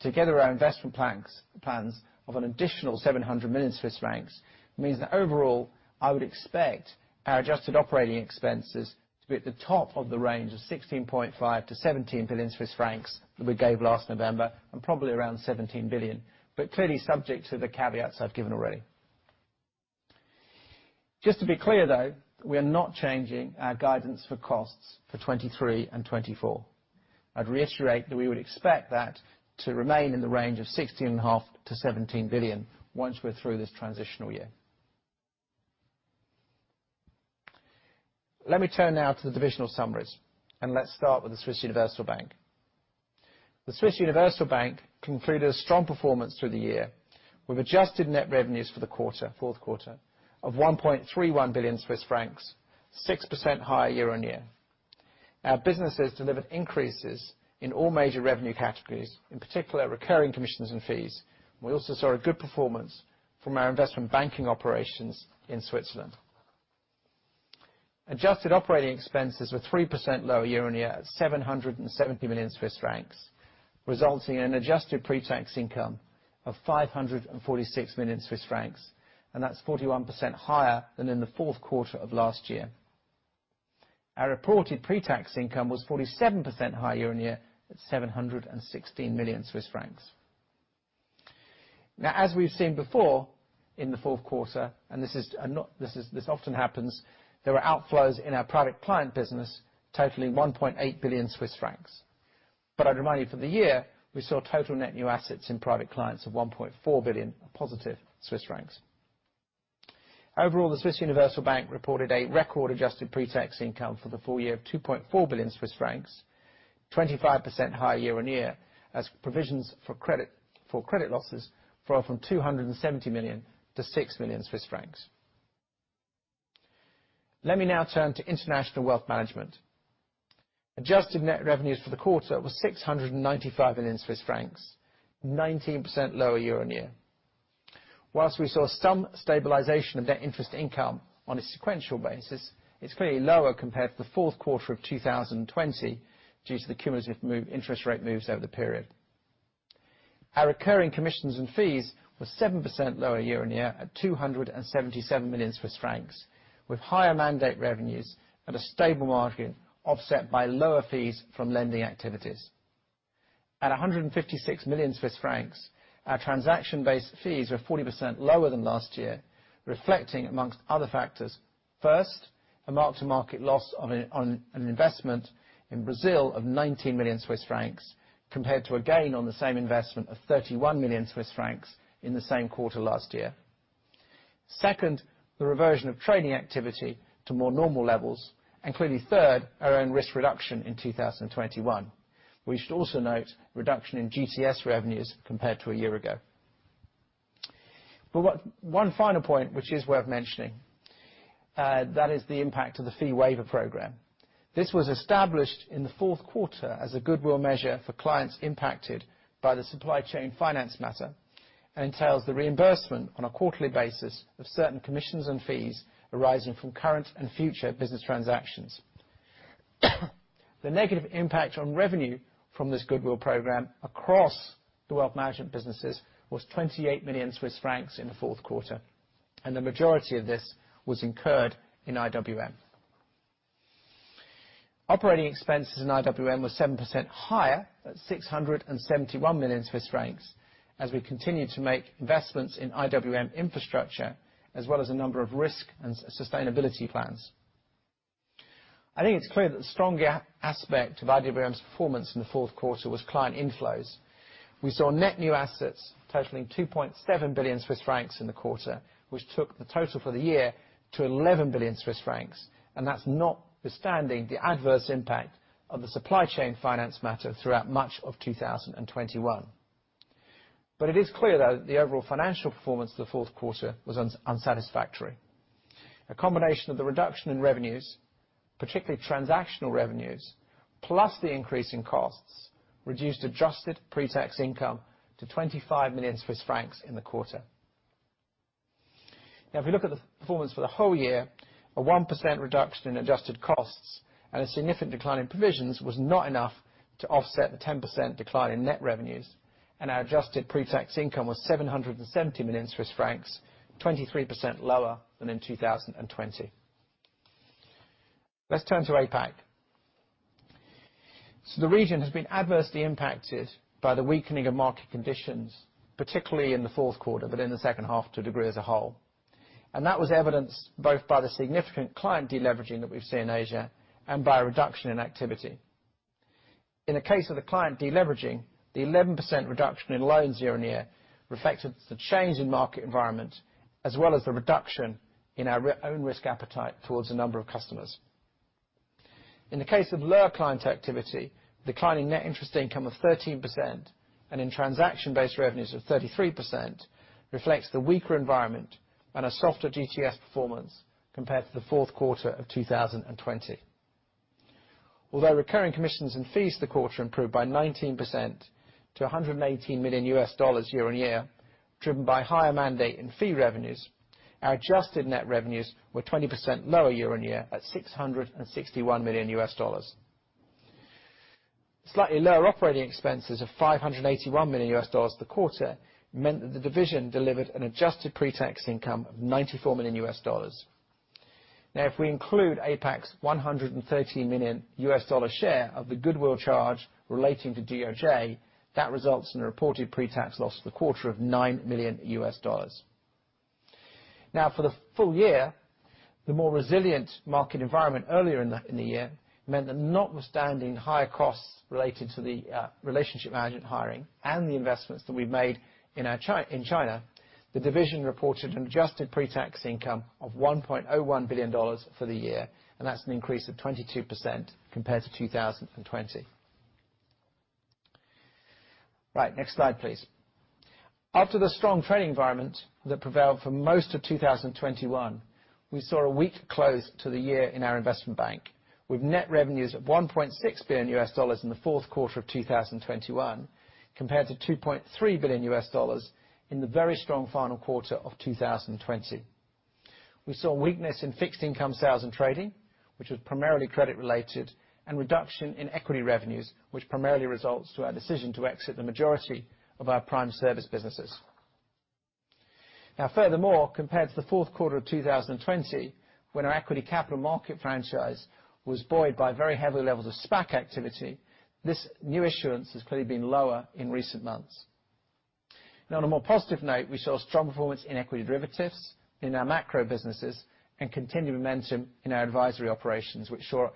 together with our investment plans of an additional 700 million Swiss francs, means that overall, I would expect our adjusted operating expenses to be at the top of the range of 16.5 billion-17 billion Swiss francs that we gave last November, and probably around 17 billion. But clearly subject to the caveats I've given already. Just to be clear, though, we are not changing our guidance for costs for 2023 and 2024. I'd reiterate that we would expect that to remain in the range of 16.5 billion-17 billion once we're through this transitional year. Let me turn now to the divisional summaries, and let's start with the Swiss Universal Bank. The Swiss Universal Bank concluded a strong performance through the year with adjusted net revenues for the quarter, fourth quarter, of 1.31 billion Swiss francs, 6% higher year-on-year. Our businesses delivered increases in all major revenue categories, in particular recurring commissions and fees. We also saw a good performance from our investment banking operations in Switzerland. Adjusted operating expenses were 3% lower year-on-year at 770 million Swiss francs, resulting in an adjusted pre-tax income of 546 million Swiss francs, and that's 41% higher than in the fourth quarter of last year. Our reported pre-tax income was 47% higher year-on-year at 716 million Swiss francs. Now as we've seen before in the fourth quarter, this often happens. There are outflows in our product client business totaling 1.8 billion Swiss francs. I'd remind you for the year, we saw total net new assets in private clients of 1.4 billion positive. Overall, the Swiss Universal Bank reported a record-adjusted pre-tax income for the full year of 2.4 billion Swiss francs, 25% higher year-on-year, as provisions for credit losses fell from 270 million to 6 million Swiss francs. Let me now turn to International Wealth Management. Adjusted net revenues for the quarter was 695 million Swiss francs, 19% lower year-on-year. While we saw some stabilization of net interest income on a sequential basis, it's clearly lower compared to the fourth quarter of 2020 due to the cumulative move in interest rate moves over the period. Our recurring commissions and fees were 7% lower year-on-year at 277 million Swiss francs, with higher mandate revenues at a stable margin offset by lower fees from lending activities. At 156 million Swiss francs, our transaction-based fees were 40% lower than last year, reflecting among other factors, first, a mark-to-market loss on an investment in Brazil of 19 million Swiss francs compared to a gain on the same investment of 31 million Swiss francs in the same quarter last year. Second, the reversion of trading activity to more normal levels. Clearly third, our own risk reduction in 2021. We should also note reduction in GTS revenues compared to a year ago. One final point which is worth mentioning, that is the impact of the fee waiver program. This was established in the fourth quarter as a goodwill measure for clients impacted by the supply chain finance matter, and entails the reimbursement on a quarterly basis of certain commissions and fees arising from current and future business transactions. The negative impact on revenue from this goodwill program across the wealth management businesses was 28 million Swiss francs in the fourth quarter, and the majority of this was incurred in IWM. Operating expenses in IWM were 7% higher at 671 million Swiss francs as we continue to make investments in IWM infrastructure as well as a number of risk and sustainability plans. I think it's clear that the stronger aspect of IWM's performance in the fourth quarter was client inflows. We saw net new assets totaling 2.7 billion Swiss francs in the quarter, which took the total for the year to 11 billion Swiss francs, and that's notwithstanding the adverse impact of the supply chain finance matter throughout much of 2021. It is clear that the overall financial performance of the fourth quarter was unsatisfactory. A combination of the reduction in revenues, particularly transactional revenues, plus the increase in costs, reduced adjusted pre-tax income to 25 million Swiss francs in the quarter. Now, if you look at the performance for the whole year, a 1% reduction in adjusted costs and a significant decline in provisions was not enough to offset the 10% decline in net revenues. Our adjusted pre-tax income was 770 million Swiss francs, 23% lower than in 2020. Let's turn to APAC. The region has been adversely impacted by the weakening of market conditions, particularly in the fourth quarter, but in the second half to a degree as a whole. That was evidenced both by the significant client de-leveraging that we've seen in Asia and by a reduction in activity. In the case of the client de-leveraging, the 11% reduction in loans year-on-year reflected the change in market environment, as well as the reduction in our own risk appetite towards a number of customers. In the case of lower client activity, declining net interest income of 13% and in transaction-based revenues of 33% reflects the weaker environment and a softer GTS performance compared to the fourth quarter of 2020. Although recurring commissions and fees for the quarter improved by 19% to $118 million year-on-year, driven by higher mandate and fee revenues, our adjusted net revenues were 20% lower year-on-year at $661 million. Slightly lower operating expenses of $581 million for the quarter meant that the division delivered an adjusted pre-tax income of $94 million. Now, if we include APAC's $130 million share of the goodwill charge relating to DOJ, that results in a reported pre-tax loss for the quarter of $9 million. Now for the full year, the more resilient market environment earlier in the year meant that notwithstanding higher costs related to the relationship management hiring and the investments that we've made in our in China, the division reported an adjusted pre-tax income of $1.01 billion for the year, and that's an increase of 22% compared to 2020. Right, next slide, please. After the strong trading environment that prevailed for most of 2021, we saw a weak close to the year in our investment bank, with net revenues at $1.6 billion in the fourth quarter of 2021 compared to $2.3 billion in the very strong final quarter of 2020. We saw weakness in fixed income sales and trading, which was primarily credit-related, and reduction in equity revenues, which primarily results from our decision to exit the majority of our prime services businesses. Now furthermore, compared to the fourth quarter of 2020 when our equity capital market franchise was buoyed by very heavy levels of SPAC activity, this new issuance has clearly been lower in recent months. Now, on a more positive note, we saw strong performance in equity derivatives in our macro businesses and continued momentum in our advisory operations, which saw,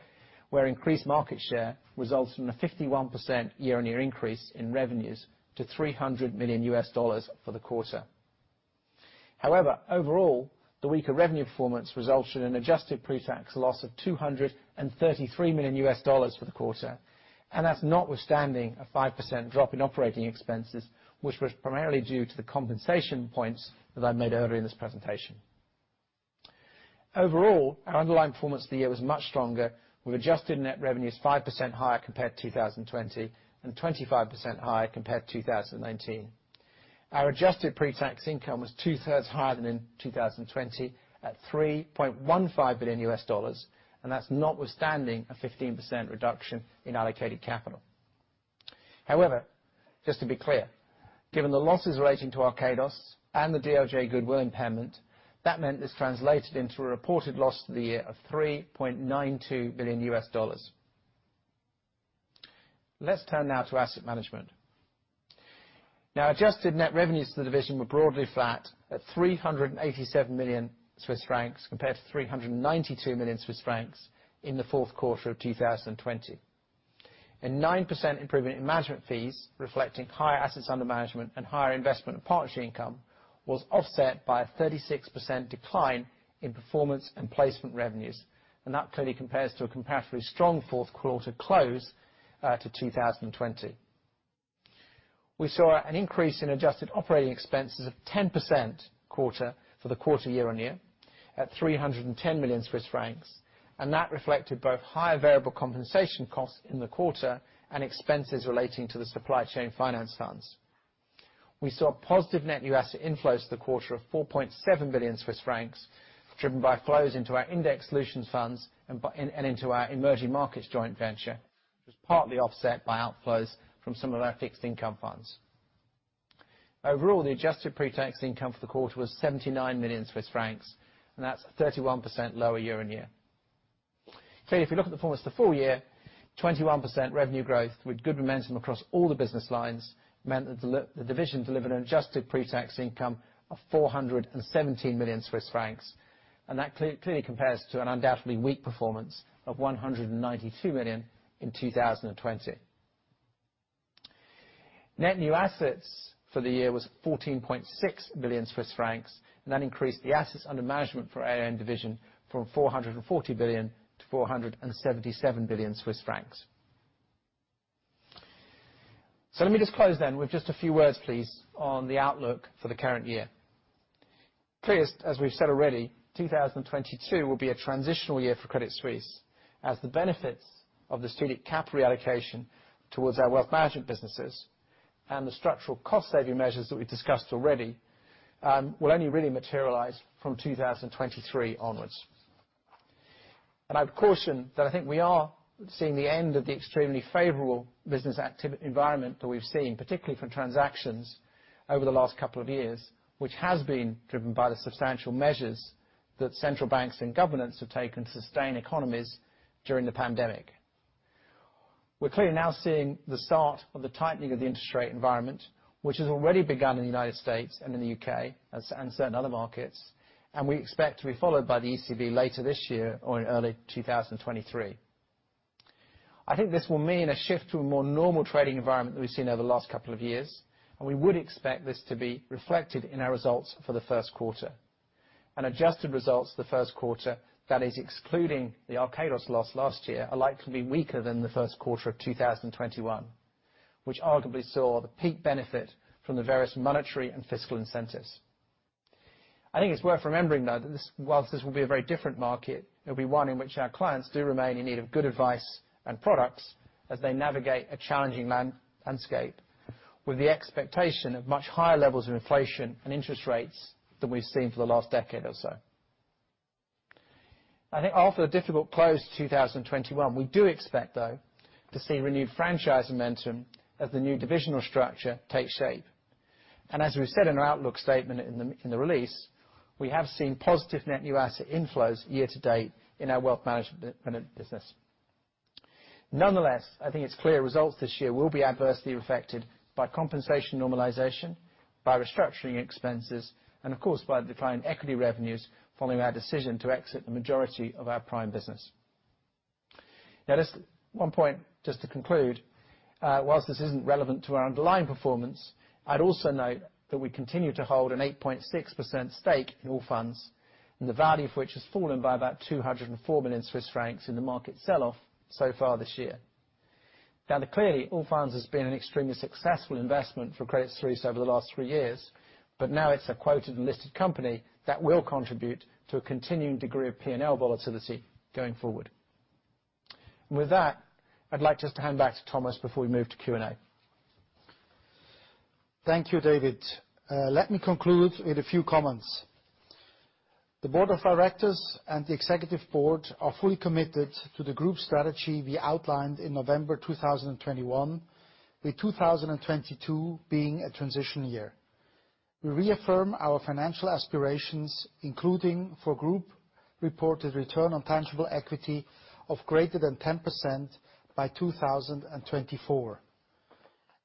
where increased market share results from a 51% year-on-year increase in revenues to $300 million for the quarter. However, overall, the weaker revenue performance results in an adjusted pre-tax loss of $233 million for the quarter, and that's notwithstanding a 5% drop in operating expenses, which was primarily due to the compensation points that I made earlier in this presentation. Overall, our underlying performance of the year was much stronger, with adjusted net revenues 5% higher compared to 2020 and 25% higher compared to 2019. Our adjusted pre-tax income was two-thirds higher than in 2020 at $3.15 billion, and that's notwithstanding a 15% reduction in allocated capital. However, just to be clear, given the losses relating to Archegos and the DOJ goodwill impairment, that meant this translated into a reported loss for the year of $3.92 billion. Let's turn now to asset management. Adjusted net revenues to the division were broadly flat at 387 million Swiss francs compared to 392 million Swiss francs in the fourth quarter of 2020. A 9% improvement in management fees reflecting higher assets under management and higher investment partnership income was offset by a 36% decline in performance and placement revenues. That clearly compares to a comparatively strong fourth quarter close to 2020. We saw an increase in adjusted operating expenses of 10% quarter year-on-year at 310 million Swiss francs, and that reflected both higher variable compensation costs in the quarter and expenses relating to the supply chain finance funds. We saw positive net new asset inflows for the quarter of 4.7 billion Swiss francs, driven by flows into our index solutions funds and into our emerging markets joint venture. It was partly offset by outflows from some of our fixed income funds. Overall, the adjusted pre-tax income for the quarter was 79 million Swiss francs, and that's 31% lower year-on-year. Clearly, if you look at the performance of the full year, 21% revenue growth with good momentum across all the business lines meant that the division delivered an adjusted pre-tax income of 417 million Swiss francs. That clearly compares to an undoubtedly weak performance of 192 million in 2020. Net new assets for the year was 14.6 billion Swiss francs, and that increased the assets under management for AUM Division from 440 billion to 477 billion Swiss francs. Let me just close then with just a few words, please, on the outlook for the current year. Clearly, as we've said already, 2022 will be a transitional year for Credit Suisse, as the benefits of the strategic capital allocation towards our wealth management businesses and the structural cost saving measures that we've discussed already will only really materialize from 2023 onwards. I would caution that I think we are seeing the end of the extremely favorable business environment that we've seen, particularly for transactions over the last couple of years, which has been driven by the substantial measures that central banks and governments have taken to sustain economies during the pandemic. We're clearly now seeing the start of the tightening of the interest rate environment, which has already begun in the U.S. and in the U.K., and certain other markets, and we expect to be followed by the ECB later this year or in early 2023. I think this will mean a shift to a more normal trading environment than we've seen over the last couple of years, and we would expect this to be reflected in our results for the first quarter. Adjusted results for the first quarter, that is excluding the Archegos loss last year, are likely to be weaker than the first quarter of 2021, which arguably saw the peak benefit from the various monetary and fiscal incentives. I think it's worth remembering, though, that while this will be a very different market, it'll be one in which our clients do remain in need of good advice and products as they navigate a challenging landscape, with the expectation of much higher levels of inflation and interest rates than we've seen for the last decade or so. I think after the difficult close to 2021, we do expect, though, to see renewed franchise momentum as the new divisional structure takes shape. as we've said in our outlook statement in the release, we have seen positive net new asset inflows year to date in our wealth management business. Nonetheless, I think it's clear results this year will be adversely affected by compensation normalization, by restructuring expenses, and of course, by the decline in equity revenues following our decision to exit the majority of our prime business. Now, just one point just to conclude. Whilst this isn't relevant to our underlying performance, I'd also note that we continue to hold an 8.6% stake in Allfunds, and the value of which has fallen by about 204 million Swiss francs in the market sell-off so far this year. Clearly, Allfunds has been an extremely successful investment for Credit Suisse over the last three years, but now it's a quoted and listed company that will contribute to a continuing degree of P&L volatility going forward. With that, I'd like just to hand back to Thomas before we move to Q&A. Thank you, David. Let me conclude with a few comments. The Board of Directors and the Executive Board are fully committed to the group strategy we outlined in November 2021, with 2022 being a transition year. We reaffirm our financial aspirations, including for group-reported return on tangible equity of greater than 10% by 2024,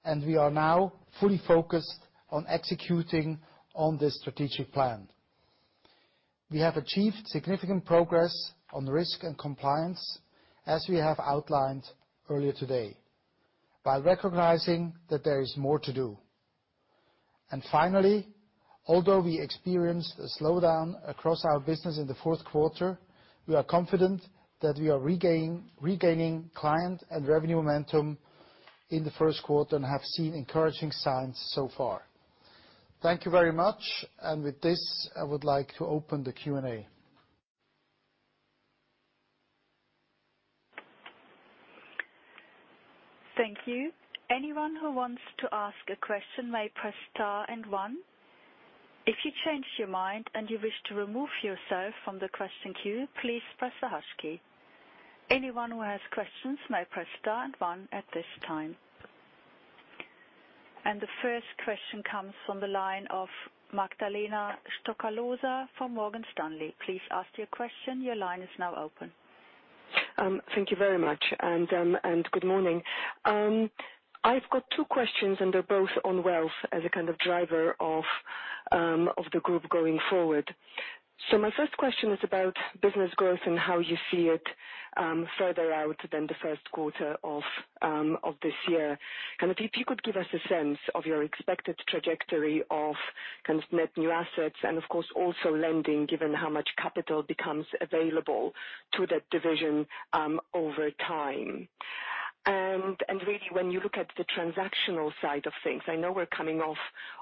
and we are now fully focused on executing on this strategic plan. We have achieved significant progress on risk and compliance, as we have outlined earlier today, by recognizing that there is more to do. Finally, although we experienced a slowdown across our business in the fourth quarter, we are confident that we are regaining client and revenue momentum in the first quarter and have seen encouraging signs so far. Thank you very much. With this, I would like to open the Q&A. The first question comes from the line of Magdalena Stoklosa from Morgan Stanley. Please ask your question. Your line is now open. Thank you very much, and good morning. I've got two questions, and they're both on wealth as a kind of driver of the group going forward. My first question is about business growth and how you see it, further out than the first quarter of this year. Kind of if you could give us a sense of your expected trajectory of kind of net new assets and of course, also lending, given how much capital becomes available to that division, over time. Really when you look at the transactional side of things, I know we're coming off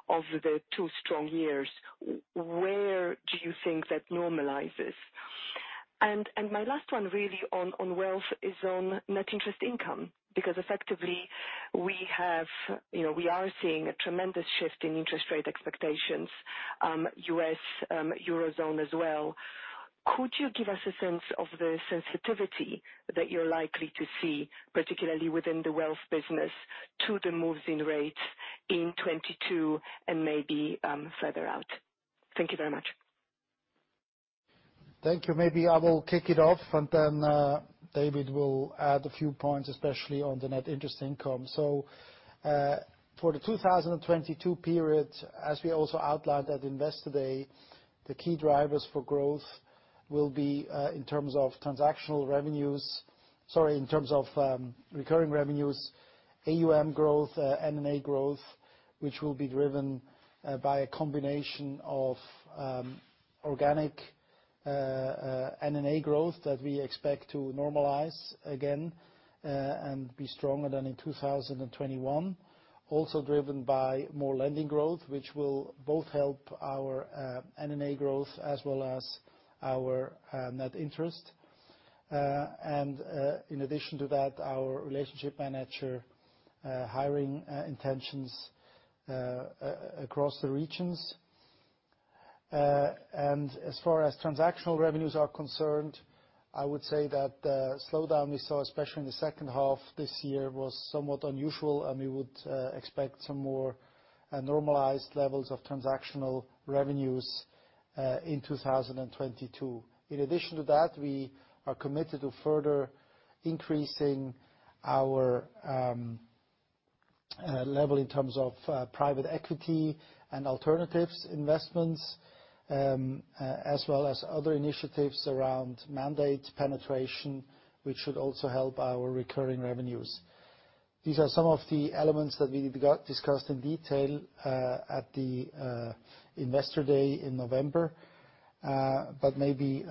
of the two strong years. Where do you think that normalizes? My last one really on wealth is on net interest income, because effectively we have, you know, we are seeing a tremendous shift in interest rate expectations, U.S., Eurozone as well. Could you give us a sense of the sensitivity that you're likely to see, particularly within the wealth business, to the moves in rates in 2022 and maybe, further out? Thank you very much. Thank you. Maybe I will kick it off, and then David will add a few points, especially on the net interest income. For the 2022 period, as we also outlined at Investor Day, the key drivers for growth will be in terms of recurring revenues, AUM growth, NNA growth, which will be driven by a combination of organic NNA growth that we expect to normalize again and be stronger than in 2021. Also driven by more lending growth, which will both help our NNA growth as well as our net interest. In addition to that, our relationship manager hiring intentions across the regions. As far as transactional revenues are concerned, I would say that the slowdown we saw, especially in the second half this year, was somewhat unusual, and we would expect some more normalized levels of transactional revenues in 2022. In addition to that, we are committed to further increasing our level in terms of private equity and alternatives investments, as well as other initiatives around mandate penetration, which should also help our recurring revenues. These are some of the elements that we discussed in detail at the Investor Day in November. Maybe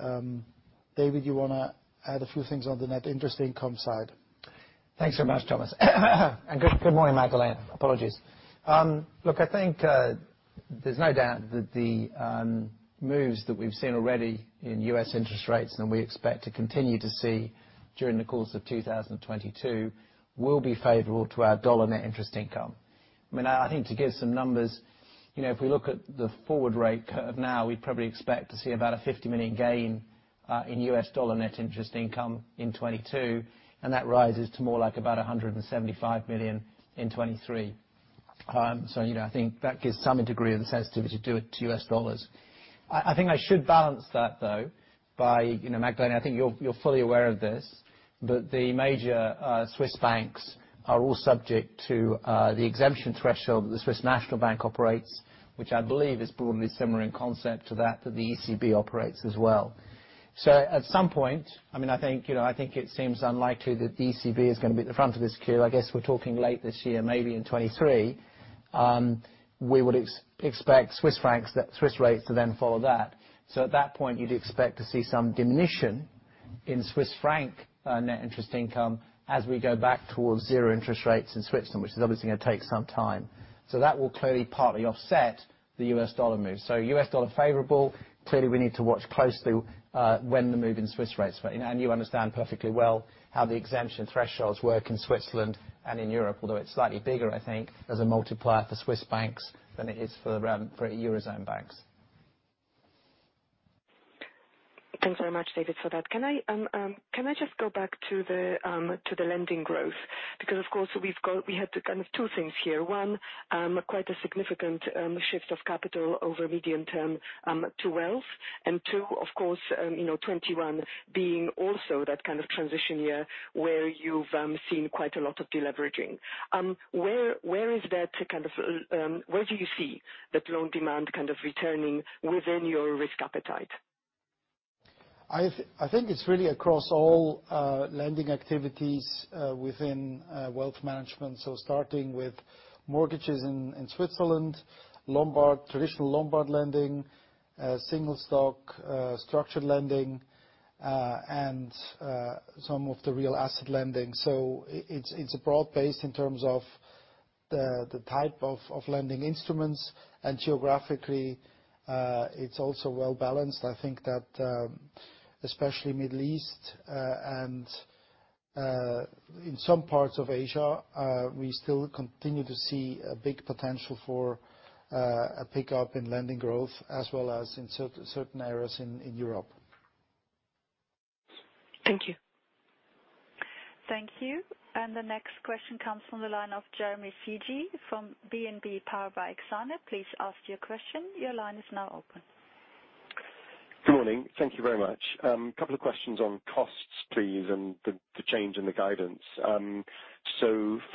David, you wanna add a few things on the net interest income side. Thanks so much, Thomas. Good morning, Magdalena. Apologies. Look, I think there's no doubt that the moves that we've seen already in U.S. interest rates, and we expect to continue to see during the course of 2022, will be favorable to our dollar net interest income. I mean, I think to give some numbers, you know, if we look at the forward rate curve now, we'd probably expect to see about a $50 million gain in US dollar net interest income in 2022, and that rises to more like about a $175 million in 2023. You know, I think that gives some degree of the sensitivity to do with US dollars. I think I should balance that though by, you know, Magdalena, I think you're fully aware of this, but the major Swiss banks are all subject to the exemption threshold that the Swiss National Bank operates, which I believe is probably similar in concept to that the ECB operates as well. So at some point, I mean, I think, you know, I think it seems unlikely that the ECB is gonna be at the front of this queue. I guess we're talking late this year, maybe in 2023. We would expect Swiss francs, the Swiss rates to then follow that. So at that point, you'd expect to see some diminution in Swiss franc net interest income as we go back towards zero interest rates in Switzerland, which is obviously gonna take some time. So that will clearly partly offset the US dollar move. US dollar favorable. Clearly, we need to watch closely, when the move in Swiss francs. You understand perfectly well how the exemption thresholds work in Switzerland and in Europe, although it's slightly bigger, I think, as a multiplier for Swiss banks than it is for Eurozone banks. Thanks very much, David, for that. Can I just go back to the lending growth? Because, of course, we had kind of two things here. One, quite a significant shift of capital over medium term to wealth. And two, of course, you know, 2021 being also that kind of transition year where you've seen quite a lot of deleveraging. Where do you see that loan demand kind of returning within your risk appetite? I think it's really across all lending activities within wealth management. Starting with mortgages in Switzerland, Lombard, traditional Lombard lending, single stock structured lending, and some of the real asset lending. It's broad-based in terms of the type of lending instruments. Geographically, it's also well-balanced. I think that especially Middle East and in some parts of Asia, we still continue to see a big potential for a pickup in lending growth as well as in certain areas in Europe. Thank you. Thank you. The next question comes from the line of Jeremy Sigee from BNP, powered by Exane. Please ask your question. Your line is now open. Good morning. Thank you very much. Couple of questions on costs, please, and the change in the guidance.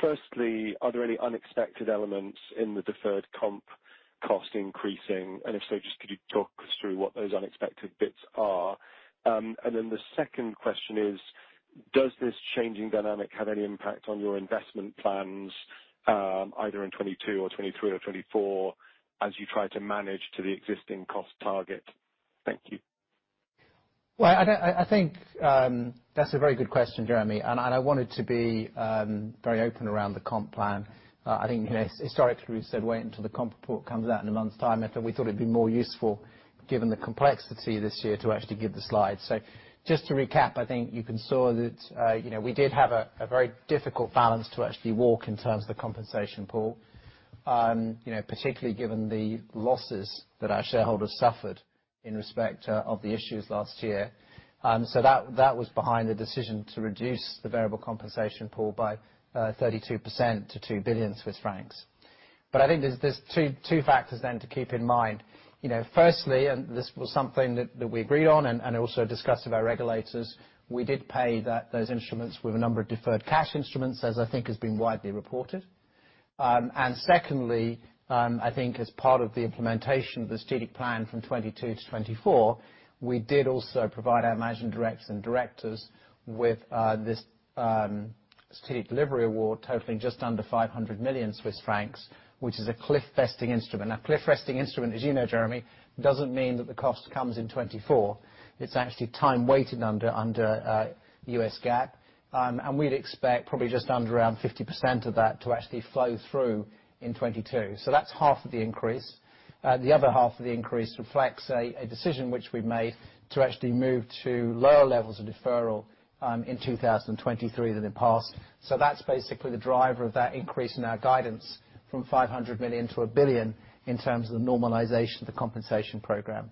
Firstly, are there any unexpected elements in the deferred comp cost increasing? And if so, just could you talk us through what those unexpected bits are? The second question is, does this changing dynamic have any impact on your investment plans, either in 2022 or 2023 or 2024, as you try to manage to the existing cost target? Thank you. Well, I think that's a very good question, Jeremy. I wanted to be very open around the comp plan. I think you know historically we've said wait until the comp report comes out in a month's time. We thought it'd be more useful, given the complexity this year, to actually give the slide. Just to recap, I think you can see that you know we did have a very difficult balance to actually walk in terms of the compensation pool. You know particularly given the losses that our shareholders suffered in respect of the issues last year. That was behind the decision to reduce the variable compensation pool by 32% to 2 billion Swiss francs. I think there's two factors then to keep in mind. You know, firstly, this was something that we agreed on and also discussed with our regulators, we did pay those instruments with a number of deferred cash instruments, as I think has been widely reported. Secondly, I think as part of the implementation of the strategic plan from 2022 to 2024, we did also provide our managing directors and directors with this strategic delivery award totaling just under 500 million Swiss francs, which is a cliff vesting instrument. Now, cliff vesting instrument, as you know, Jeremy, doesn't mean that the cost comes in 2024. It's actually time-weighted under US GAAP. We'd expect probably just under around 50% of that to actually flow through in 2022. So that's half of the increase. The other half of the increase reflects a decision which we've made to actually move to lower levels of deferral in 2023 than in the past. That's basically the driver of that increase in our guidance from 500 million to 1 billion in terms of the normalization of the compensation program.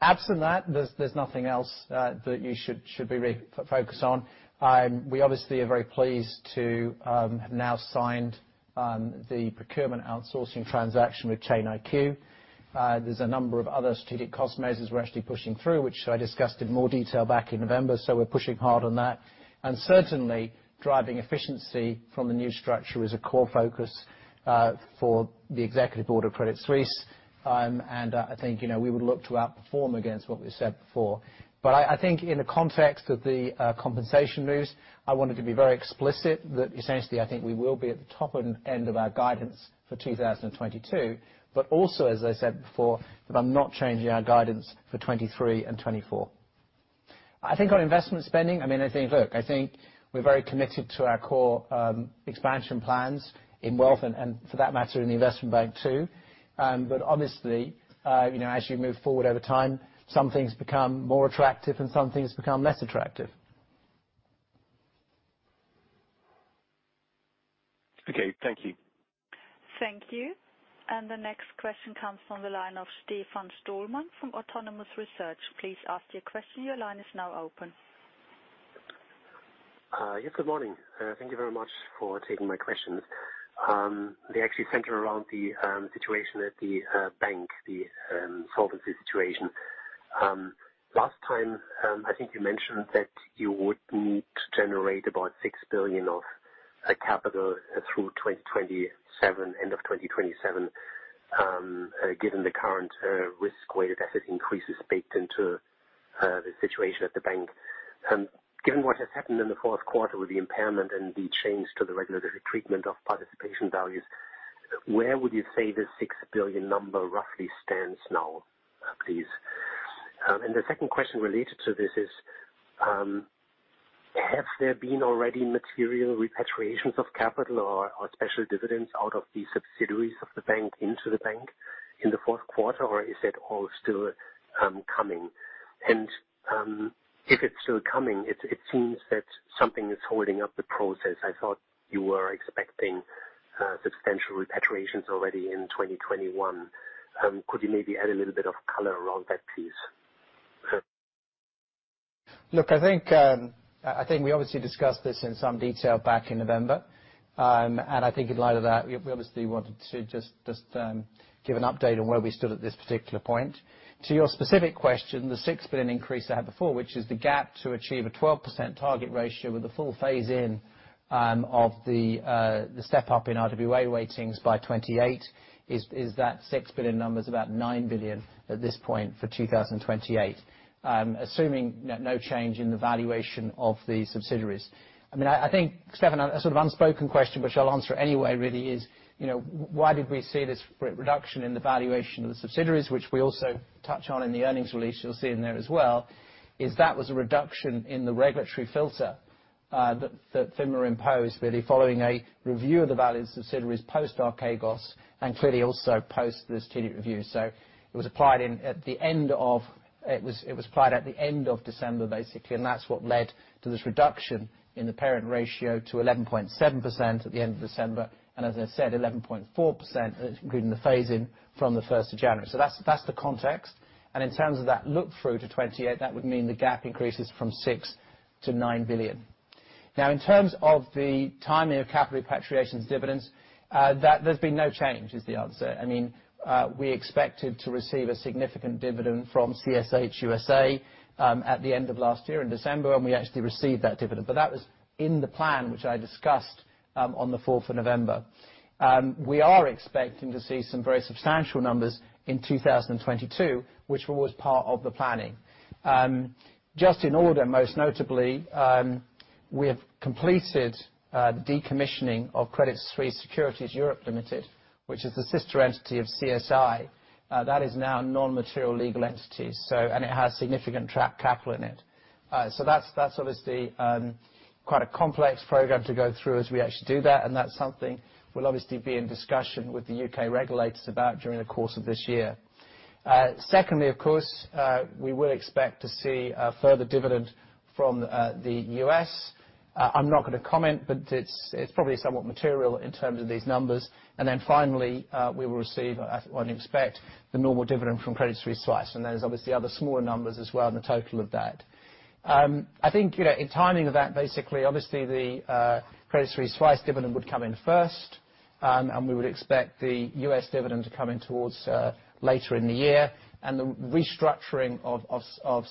Absent that, there's nothing else that you should be focused on. We obviously are very pleased to have now signed the procurement outsourcing transaction with Chain IQ. There's a number of other strategic cost measures we're actually pushing through, which I discussed in more detail back in November. We're pushing hard on that. Certainly driving efficiency from the new structure is a core focus for the Executive Board of Credit Suisse. I think, you know, we would look to outperform against what we said before. I think in the context of the compensation news, I wanted to be very explicit that essentially I think we will be at the top end of our guidance for 2022. Also, as I said before, that I'm not changing our guidance for 2023 and 2024. I think our investment spending, I mean, I think, look, I think we're very committed to our core expansion plans in wealth and for that matter in the investment bank too. Obviously, you know, as you move forward over time, some things become more attractive and some things become less attractive. Okay. Thank you. Thank you. The next question comes from the line of Stefan Stalmann from Autonomous Research. Please ask your question. Your line is now open. Good morning. Thank you very much for taking my questions. They actually center around the situation at the bank, the solvency situation. Last time, I think you mentioned that you would need to generate about 6 billion of capital through 2027, end of 2027, given the current risk-weighted asset increases baked into the situation at the bank. Given what has happened in the fourth quarter with the impairment and the change to the regulatory treatment of participation values, where would you say the 6 billion number roughly stands now, please? The second question related to this is, have there been already material repatriations of capital or special dividends out of the subsidiaries of the bank into the bank in the fourth quarter, or is it all still coming? If it's still coming, it seems that something is holding up the process. I thought you were expecting substantial repatriations already in 2021. Could you maybe add a little bit of color around that, please? Look, I think we obviously discussed this in some detail back in November. I think in light of that, we obviously wanted to just give an update on where we stood at this particular point. To your specific question, the 6 billion increase I had before, which is the gap to achieve a 12% target ratio with the full phase-in of the step-up in RWA weightings by 2028 is that 6 billion number's about 9 billion at this point for 2028, assuming no change in the valuation of the subsidiaries. I mean, I think, Stefan, a sort of unspoken question, which I'll answer anyway really is, you know, why did we see this reduction in the valuation of the subsidiaries, which we also touch on in the earnings release you'll see in there as well, is that was a reduction in the regulatory filter that FINMA imposed really following a review of the value of the subsidiaries post Archegos, and clearly also post the strategic review. So it was applied at the end of December, basically, and that's what led to this reduction in the parent ratio to 11.7% at the end of December. As I said, 11.4%, including the phase-in from the first of January. So that's the context. In terms of that look-through to 2028, that would mean the gap increases from $6 billion-$9 billion. Now in terms of the timing of capital repatriations dividends, there's been no change is the answer. I mean, we expected to receive a significant dividend from CSH USA, at the end of last year in December, and we actually received that dividend. But that was in the plan which I discussed, on November 4. We are expecting to see some very substantial numbers in 2022, which was part of the planning. Just in order, most notably, we have completed, the decommissioning of Credit Suisse Securities (Europe) Limited, which is the sister entity of CSIL, that is now a non-material legal entity, so, and it has significant trapped capital in it. That's obviously quite a complex program to go through as we actually do that, and that's something we'll obviously be in discussion with the UK regulators about during the course of this year. Secondly, of course, we will expect to see a further dividend from the US. I'm not going to comment, but it's probably somewhat material in terms of these numbers. Then finally, we will receive, we expect, the normal dividend from Credit Suisse, and there's obviously other smaller numbers as well in the total of that. I think, you know, in timing of that, basically, obviously the Credit Suisse dividend would come in first. We would expect the US dividend to come in towards later in the year. The restructuring of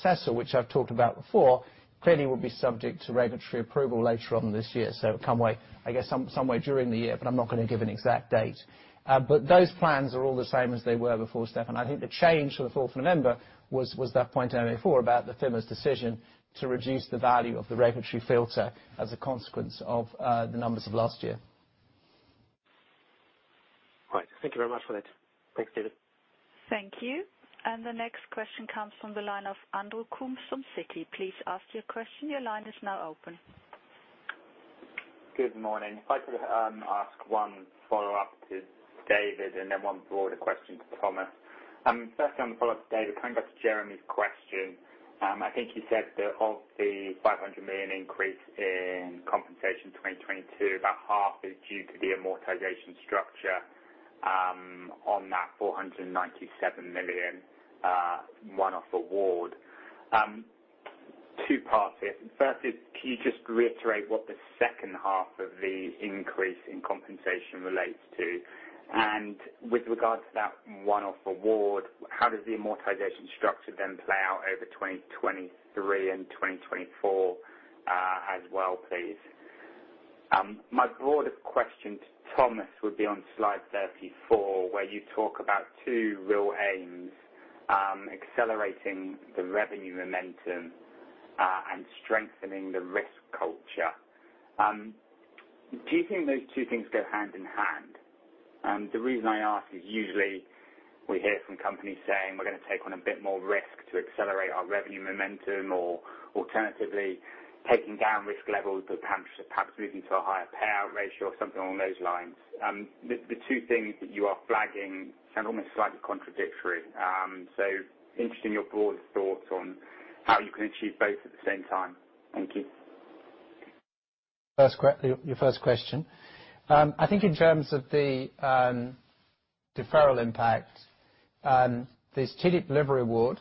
SRU, which I've talked about before, clearly will be subject to regulatory approval later on this year. It will come way, I guess, someway during the year, but I'm not gonna give an exact date. But those plans are all the same as they were before, Stefan. I think the change for the fourth of November was that point I made before about the FINMA's decision to reduce the value of the regulatory filter as a consequence of the numbers of last year. Right. Thank you very much for that. Thanks, David. Thank you. The next question comes from the line of Andrew Coombs from Citi. Please ask your question. Your line is now open. Good morning. If I could ask one follow-up to David and then one broader question to Thomas. Firstly on the follow-up to David, going back to Jeremy's question, I think you said that of the 500 million increase in compensation in 2022, about half is due to the amortization structure on that 497 million one-off award. Two parts here. First, can you just reiterate what the second half of the increase in compensation relates to? And with regards to that one-off award, how does the amortization structure then play out over 2023 and 2024, as well, please? My broader question to Thomas would be on slide 34, where you talk about two real aims, accelerating the revenue momentum and strengthening the risk culture. Do you think those two things go hand in hand? The reason I ask is usually we hear from companies saying we're gonna take on a bit more risk to accelerate our revenue momentum or alternatively taking down risk levels, but perhaps moving to a higher payout ratio or something along those lines. The two things that you are flagging sound almost slightly contradictory. Interesting your broader thoughts on how you can achieve both at the same time. Thank you. Your first question. I think in terms of the deferral impact, the strategic delivery award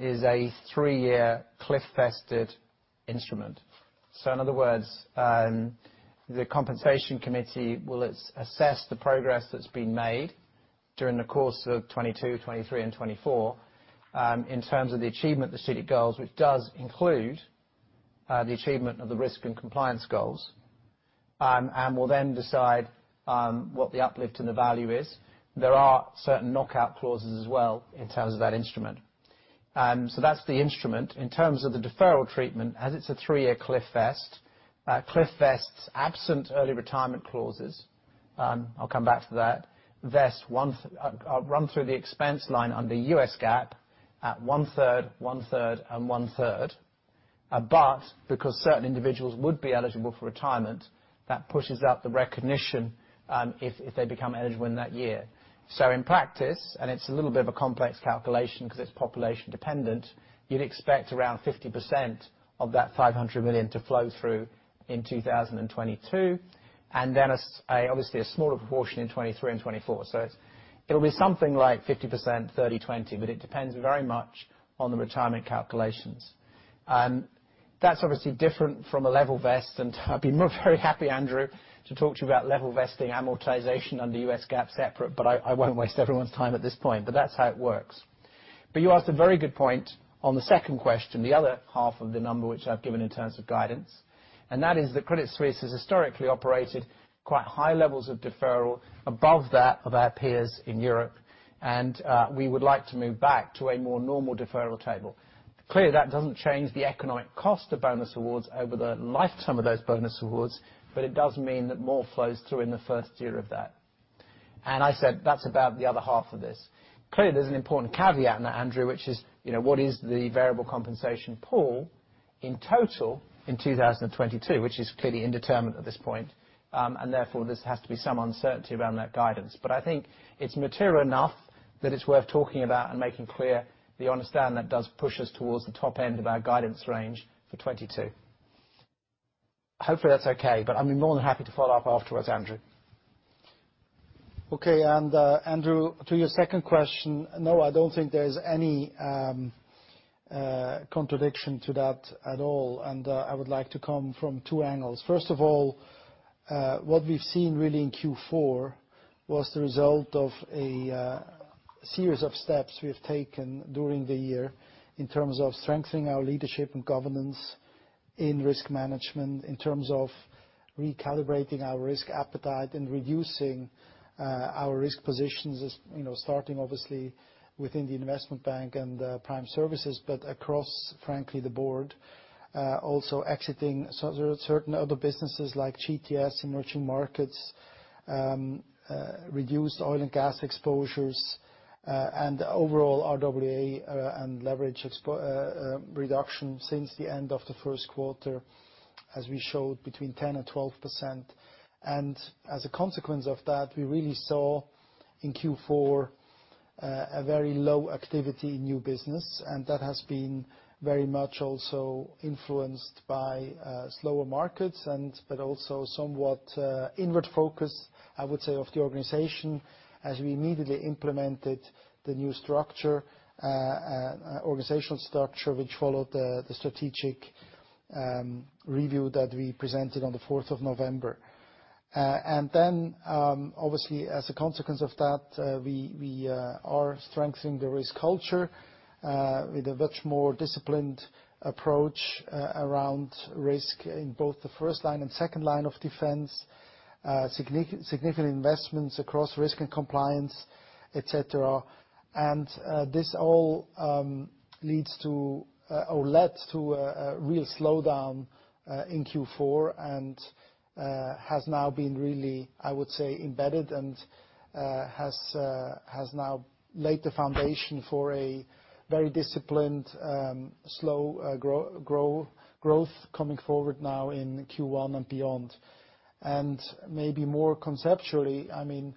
is a three-year cliff vested instrument. In other words, the compensation committee will assess the progress that's been made during the course of 2022, 2023 and 2024, in terms of the achievement of the strategic goals, which does include the achievement of the risk and compliance goals, and will then decide what the uplift in the value is. There are certain knockout clauses as well in terms of that instrument. That's the instrument. In terms of the deferral treatment, as it's a three-year cliff vests, absent early retirement clauses, I'll come back to that, run through the expense line under US GAAP at one third, one third, and one third. Because certain individuals would be eligible for retirement, that pushes out the recognition, if they become eligible in that year. In practice, and it's a little bit of a complex calculation 'cause it's population dependent, you'd expect around 50% of that 500 million to flow through in 2022, and then obviously a smaller proportion in 2023 and 2024. It's, it'll be something like 50%, 30/20, but it depends very much on the retirement calculations. That's obviously different from a level vest, and I'd be very happy, Andrew, to talk to you about level vesting amortization under US GAAP separate, but I won't waste everyone's time at this point. That's how it works. You asked a very good point on the second question, the other half of the number which I've given in terms of guidance, and that is that Credit Suisse has historically operated quite high levels of deferral above that of our peers in Europe, and we would like to move back to a more normal deferral table. Clearly, that doesn't change the economic cost of bonus awards over the lifetime of those bonus awards, but it does mean that more flows through in the first year of that. I said that's about the other half of this. Clearly, there's an important caveat in that, Andrew, which is, you know, what is the variable compensation pool in total in 2022, which is clearly indeterminate at this point, and therefore there has to be some uncertainty around that guidance. I think it's material enough that it's worth talking about and making clear the understanding that does push us towards the top end of our guidance range for 2022. Hopefully, that's okay, but I'd be more than happy to follow up afterwards, Andrew. Okay. Andrew, to your second question, no, I don't think there is any contradiction to that at all. I would like to come from two angles. First of all, what we've seen really in Q4 was the result of a series of steps we have taken during the year in terms of strengthening our leadership and governance in risk management, in terms of recalibrating our risk appetite and reducing our risk positions as, you know, starting obviously within the investment bank and prime services, but across, frankly, the board. Also exiting certain other businesses like GTS, emerging markets, reduced oil and gas exposures, and overall RWA and leverage reduction since the end of the first quarter, as we showed between 10% and 12%. As a consequence of that, we really saw in Q4 a very low activity in new business, and that has been very much also influenced by slower markets, but also somewhat inward focus, I would say, of the organization as we immediately implemented the new organizational structure, which followed the strategic review that we presented on the fourth of November. Obviously, as a consequence of that, we are strengthening the risk culture with a much more disciplined approach around risk in both the first line and second line of defense. Significant investments across risk and compliance, et cetera. This all leads to or led to a real slowdown in Q4 and has now been really, I would say, embedded and has now laid the foundation for a very disciplined slow growth coming forward now in Q1 and beyond. Maybe more conceptually, I mean,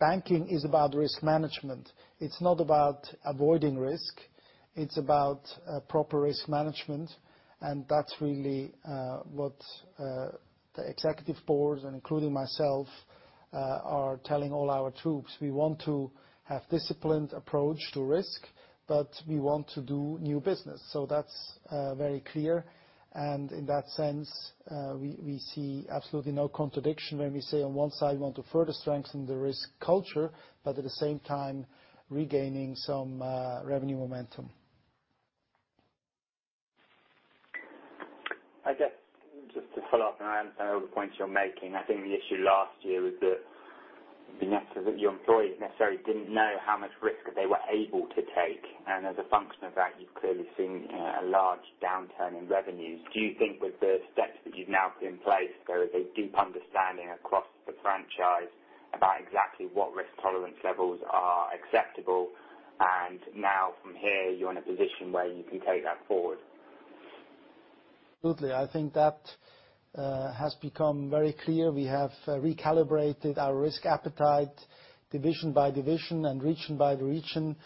banking is about risk management. It's not about avoiding risk, it's about proper risk management, and that's really what the executive boards, and including myself, are telling all our troops. We want to have disciplined approach to risk, but we want to do new business. That's very clear. In that sense, we see absolutely no contradiction when we say on one side, we want to further strengthen the risk culture, but at the same time, regaining some revenue momentum. I guess just to follow up, and I understand all the points you're making. I think the issue last year was that your employees necessarily didn't know how much risk they were able to take, and as a function of that, you've clearly seen a large downturn in revenues. Do you think with the steps that you've now put in place, there is a deep understanding across the franchise about exactly what risk tolerance levels are acceptable, and now from here you're in a position where you can take that forward? Absolutely. I think that has become very clear. We have recalibrated our risk appetite division by division and region by region.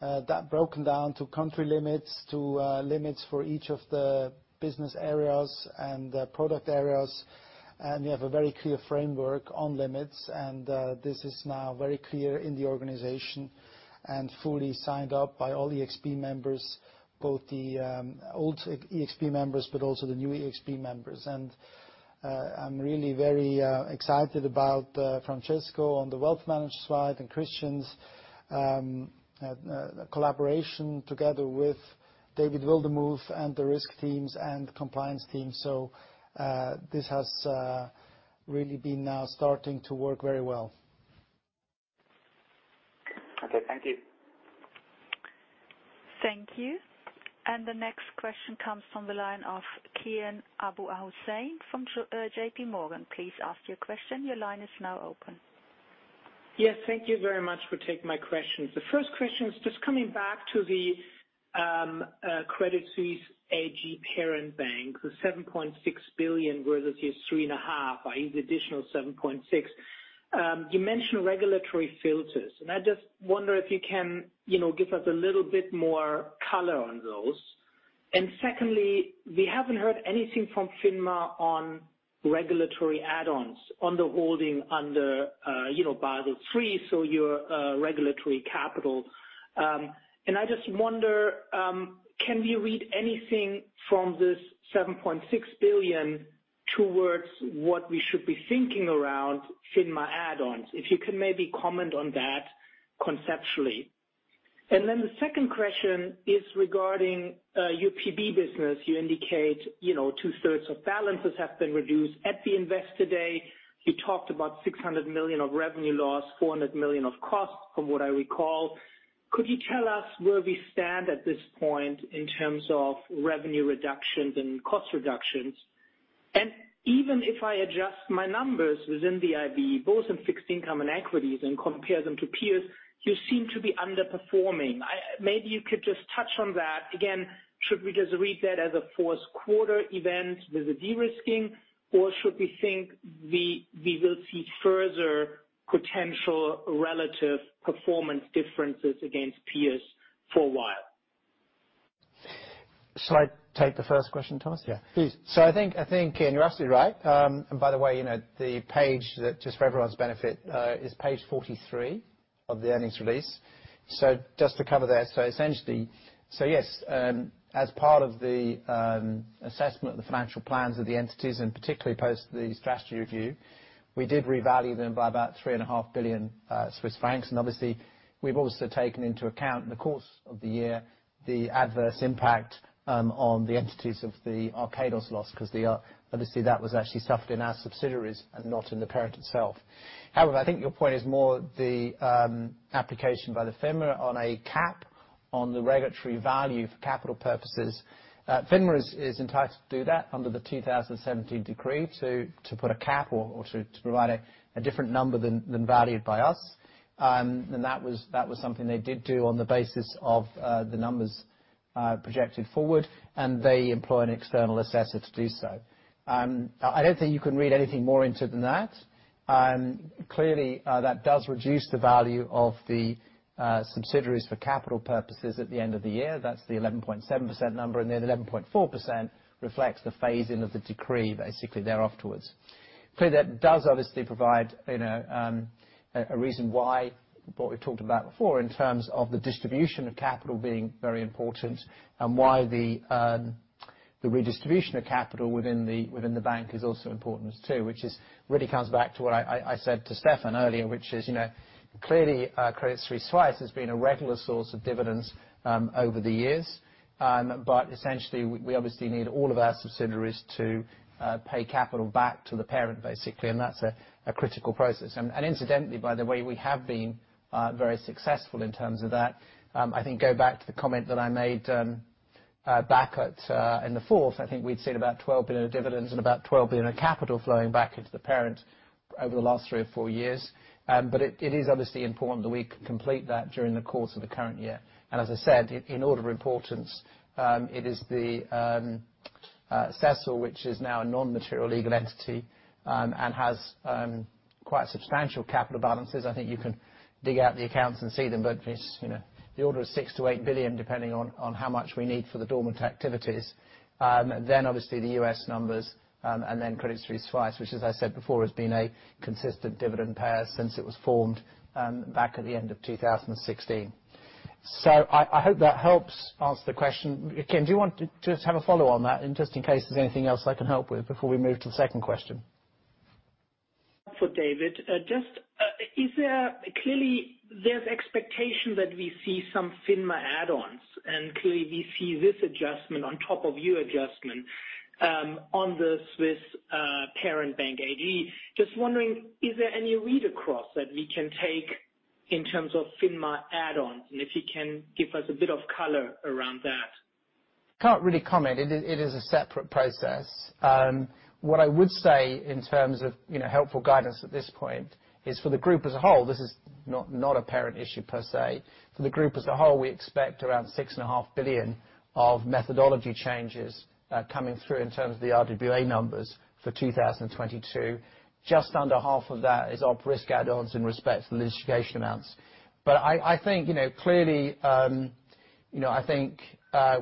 That broken down to country limits, to limits for each of the business areas and the product areas. We have a very clear framework on limits. This is now very clear in the organization and fully signed up by all the ExB members, both the old ExB members, but also the new ExB members. I'm really very excited about Francesco on the wealth management side, and Christian's collaboration together with David Wildermuth and the risk teams and compliance team. This has really been now starting to work very well. Okay. Thank you. Thank you. The next question comes from the line of Kian Abouhossein from JPMorgan. Please ask your question. Your line is now open. Yes. Thank you very much for taking my questions. The first question is just coming back to the Credit Suisse AG parent bank, the 7.6 billion versus your 3.5, is additional 7.6. You mentioned regulatory filters, and I just wonder if you can, you know, give us a little bit more color on those. Secondly, we haven't heard anything from FINMA on regulatory add-ons on the holding under, you know, Basel III, so your regulatory capital. I just wonder, can we read anything from this 7.6 billion towards what we should be thinking around FINMA add-ons? If you can maybe comment on that conceptually. The second question is regarding your PB business. You indicate, you know, two-thirds of balances have been reduced. At the Investor Day, you talked about 600 million of revenue loss, 400 million of costs, from what I recall. Could you tell us where we stand at this point in terms of revenue reductions and cost reductions? Even if I adjust my numbers within the IB, both in fixed income and equities, and compare them to peers, you seem to be underperforming. Maybe you could just touch on that. Again, should we just read that as a fourth quarter event with the de-risking, or should we think we will see further potential relative performance differences against peers for a while? Shall I take the first question, Thomas? Yeah. Please. I think Kian, you're absolutely right. By the way, you know, the page that just for everyone's benefit is page 43 of the earnings release. Just to cover that. Essentially, yes, as part of the assessment of the financial plans of the entities, and particularly post the strategy review, we did revalue them by about 3.5 billion Swiss francs. Obviously, we've also taken into account in the course of the year the adverse impact on the entities of the Archegos loss because, obviously, that was actually suffered in our subsidiaries and not in the parent itself. However, I think your point is more the application by the FINMA on a cap on the regulatory value for capital purposes. FINMA is entitled to do that under the 2017 decree to put a cap or to provide a different number than valued by us. That was something they did on the basis of the numbers projected forward, and they employ an external assessor to do so. I don't think you can read anything more into it than that. Clearly, that does reduce the value of the subsidiaries for capital purposes at the end of the year. That's the 11.7% number, and the 11.4% reflects the phase in of the decree basically there afterwards. Clearly, that does obviously provide, you know, a reason why what we've talked about before in terms of the distribution of capital being very important and why the The redistribution of capital within the bank is also important too, which really comes back to what I said to Stefan earlier, which is, you know, clearly, Credit Suisse has been a regular source of dividends over the years. But essentially we obviously need all of our subsidiaries to pay capital back to the parent, basically. Incidentally, by the way, we have been very successful in terms of that. I think go back to the comment that I made back at in the fourth. I think we'd seen about 12 billion of dividends and about 12 billion of capital flowing back into the parent over the last 3 or 4 years. It is obviously important that we complete that during the course of the current year. As I said, in order of importance, it is the CSSEL, which is now a non-material legal entity, and has quite substantial capital balances. I think you can dig out the accounts and see them. It's, you know, the order of 6 billion-8 billion, depending on how much we need for the dormant activities. Then obviously the U.S. numbers, and then Credit Suisse, which as I said before, has been a consistent dividend payer since it was formed, back at the end of 2016. I hope that helps answer the question. Kian, do you want to just have a follow on that just in case there's anything else I can help with before we move to the second question? For David. Clearly there's expectation that we see some FINMA add-ons, and clearly we see this adjustment on top of your adjustment on the Swiss parent bank add. Just wondering, is there any read across that we can take in terms of FINMA add-ons, and if you can give us a bit of color around that. Can't really comment. It is a separate process. What I would say in terms of, you know, helpful guidance at this point is for the group as a whole, this is not a parent issue per se. For the group as a whole, we expect around 6.5 billion of methodology changes coming through in terms of the RWA numbers for 2022. Just under half of that is op risk add-ons in respect to the litigation amounts. But I think, you know, clearly, you know, I think,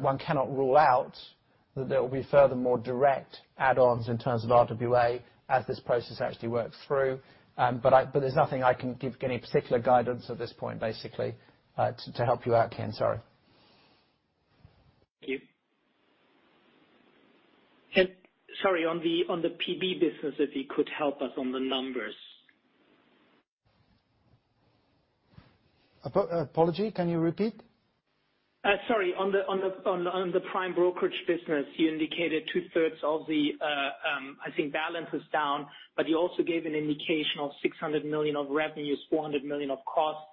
one cannot rule out that there will be further more direct add-ons in terms of RWA as this process actually works through. But there's nothing I can give any particular guidance at this point, basically, to help you out, Kian Abouhossein. Sorry. Thank you. Sorry, on the PB business, if you could help us on the numbers. Apology, can you repeat? Sorry. On the prime brokerage business, you indicated two-thirds of the, I think balance was down, but you also gave an indication of $600 million of revenues, $400 million of costs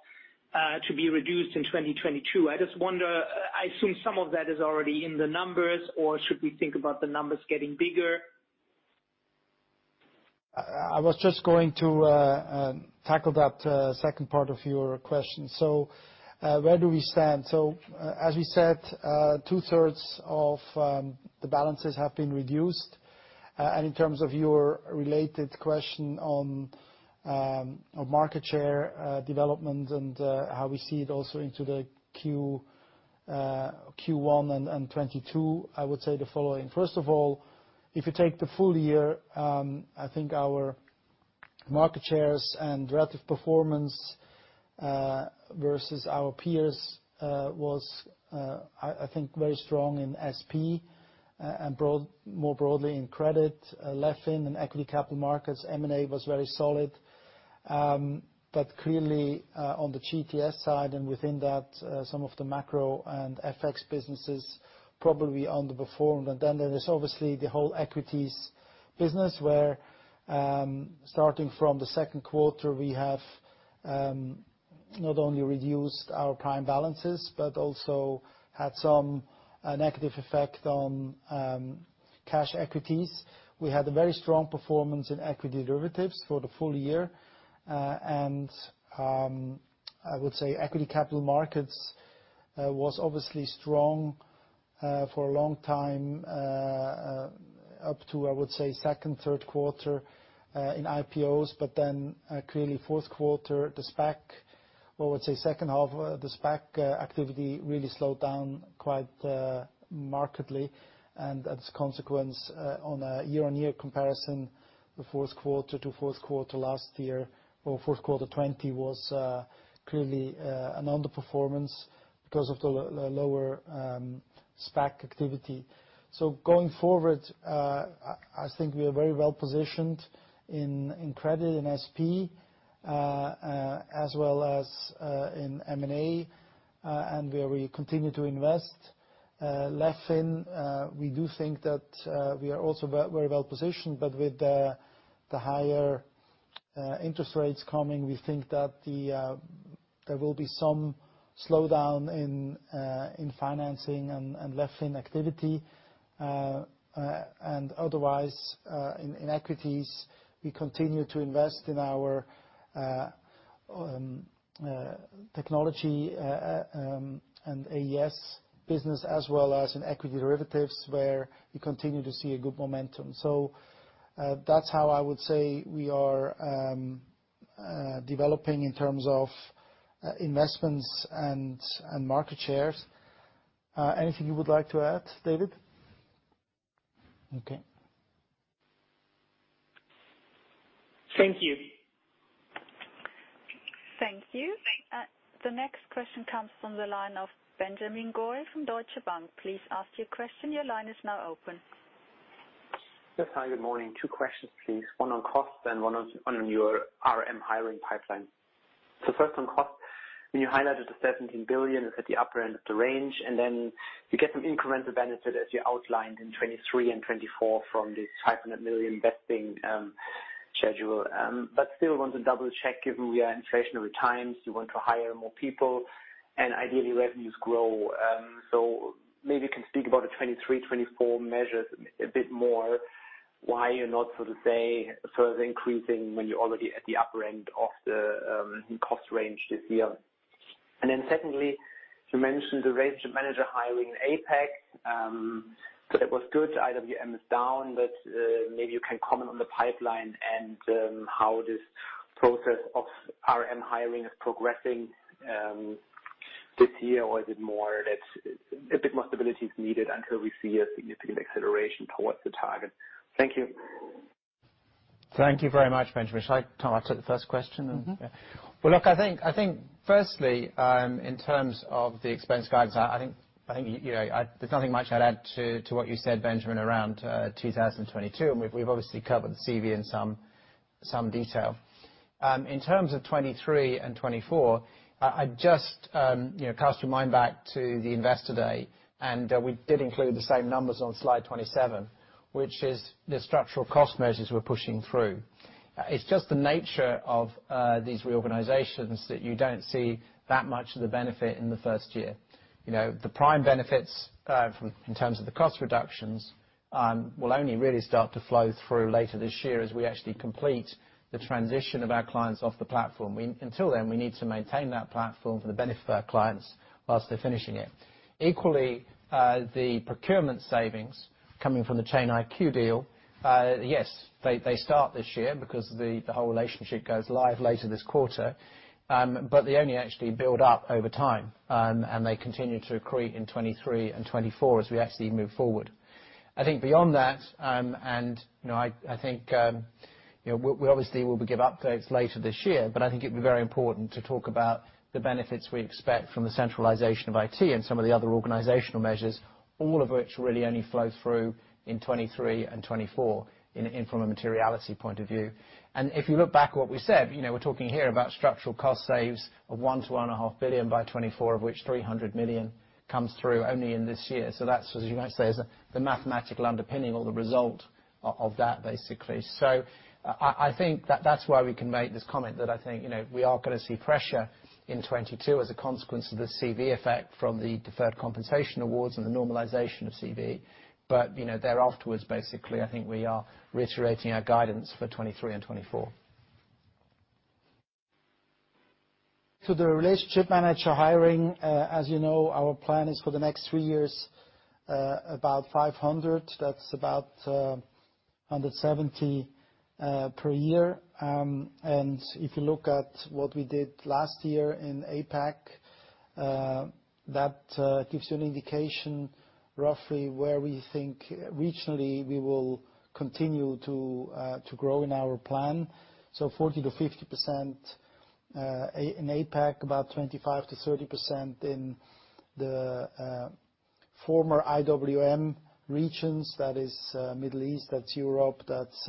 to be reduced in 2022. I just wonder, I assume some of that is already in the numbers or should we think about the numbers getting bigger? I was just going to tackle that second part of your question. Where do we stand? As we said, two-thirds of the balances have been reduced. In terms of your related question on market share development and how we see it also into the Q1 and 2022, I would say the following. First of all, if you take the full year, I think our market shares and relative performance versus our peers was I think very strong in S&P and broad, more broadly in credit leveraged finance and equity capital markets. M&A was very solid. Clearly, on the GTS side and within that, some of the macro and FX businesses probably underperformed. There is obviously the whole equities business where, starting from the second quarter, we have not only reduced our prime balances, but also had some negative effect on cash equities. We had a very strong performance in equity derivatives for the full year. I would say equity capital markets was obviously strong for a long time up to, I would say second, third quarter in IPOs, but then clearly fourth quarter, the SPAC, or I would say second half, the SPAC activity really slowed down quite markedly. As a consequence, on a year-on-year comparison, the fourth quarter to fourth quarter last year or fourth quarter 2020 was clearly an underperformance because of the lower SPAC activity. Going forward, I think we are very well positioned in credit in S&P as well as in M&A, and where we continue to invest. Leveraged finance, we do think that we are also very well positioned, but with the higher interest rates coming, we think that there will be some slowdown in financing and leveraged finance activity. Otherwise, in equities, we continue to invest in our technology and AES business as well as in equity derivatives, where we continue to see a good momentum. That's how I would say we are developing in terms of investments and market shares. Anything you would like to add, David? Okay. Thank you. Thank you. The next question comes from the line of Benjamin Goy from Deutsche Bank. Please ask your question. Your line is now open. Yes. Hi, good morning. Two questions, please. One on cost and one on your RM hiring pipeline. First on cost, when you highlighted the 17 billion at the upper end of the range, and then you get some incremental benefit as you outlined in 2023 and 2024 from this 500 million vesting schedule. Still want to double check given we are in inflationary times, you want to hire more people and ideally revenues grow. Maybe you can speak about the 2023, 2024 measures a bit more, why you're not sort of say, further increasing when you're already at the upper end of the cost range this year. Secondly, you mentioned the relationship manager hiring in APAC. That was good. IWM is down, but maybe you can comment on the pipeline and how this process of RM hiring is progressing this year. Is it more that a bit more stability is needed until we see a significant acceleration towards the target? Thank you. Thank you very much, Benjamin. Shall I, Tom, answer the first question. Mm-hmm. Well, look, I think firstly, in terms of the expense guides, I think, you know, there's nothing much I'd add to what you said, Benjamin, around 2022, and we've obviously covered the COVID in some detail. In terms of 2023 and 2024, I'd just, you know, cast your mind back to the Investor Day, and we did include the same numbers on slide 27, which is the structural cost measures we're pushing through. It's just the nature of these reorganizations that you don't see that much of the benefit in the first year. You know, the prime benefits from, in terms of the cost reductions, will only really start to flow through later this year as we actually complete the transition of our clients off the platform. Until then, we need to maintain that platform for the benefit of our clients while they're finishing it. Equally, the procurement savings coming from the Chain IQ deal, yes, they start this year because the whole relationship goes live later this quarter. But they only actually build up over time, and they continue to accrete in 2023 and 2024 as we actually move forward. I think beyond that, you know, I think, you know, we obviously will give updates later this year, but I think it'd be very important to talk about the benefits we expect from the centralization of IT and some of the other organizational measures, all of which really only flow through in 2023 and 2024 from a materiality point of view. If you look back at what we said, you know, we're talking here about structural cost saves of 1 billion-1.5 billion by 2024, of which 300 million comes through only in this year. That's, as you might say, the mathematical underpinning or the result of that, basically. I think that's why we can make this comment that I think, you know, we are gonna see pressure in 2022 as a consequence of the COVID effect from the deferred compensation awards and the normalization of COVID. You know, thereafterwards, basically, I think we are reiterating our guidance for 2023 and 2024. To the relationship manager hiring, as you know, our plan is for the next 3 years, about 500. That's about 170 per year. If you look at what we did last year in APAC, that gives you an indication roughly where we think regionally we will continue to grow in our plan. So 40%-50% in APAC, about 25%-30% in the former IWM regions. That is Middle East, that's Europe, that's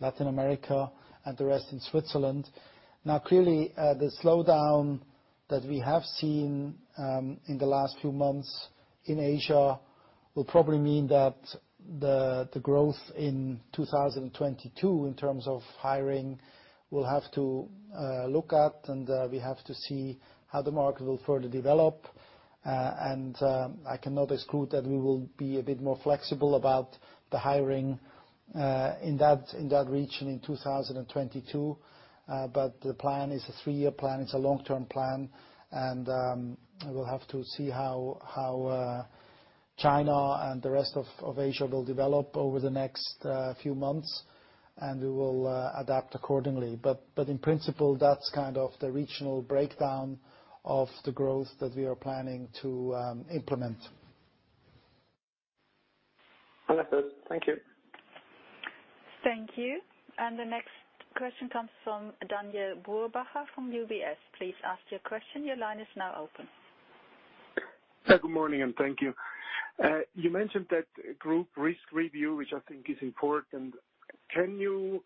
Latin America, and the rest in Switzerland. Now, clearly, the slowdown that we have seen in the last few months in Asia will probably mean that the growth in 2022 in terms of hiring, we'll have to look at and we have to see how the market will further develop. I can neither exclude that we will be a bit more flexible about the hiring in that region in 2022. The plan is a three-year plan. It's a long-term plan, and we'll have to see how China and the rest of Asia will develop over the next few months, and we will adapt accordingly. In principle, that's kind of the regional breakdown of the growth that we are planning to implement. Understood. Thank you. Thank you. The next question comes from Daniele Brupbacher from UBS. Please ask your question. Your line is now open. Yeah, good morning, and thank you. You mentioned that group risk review, which I think is important. Can you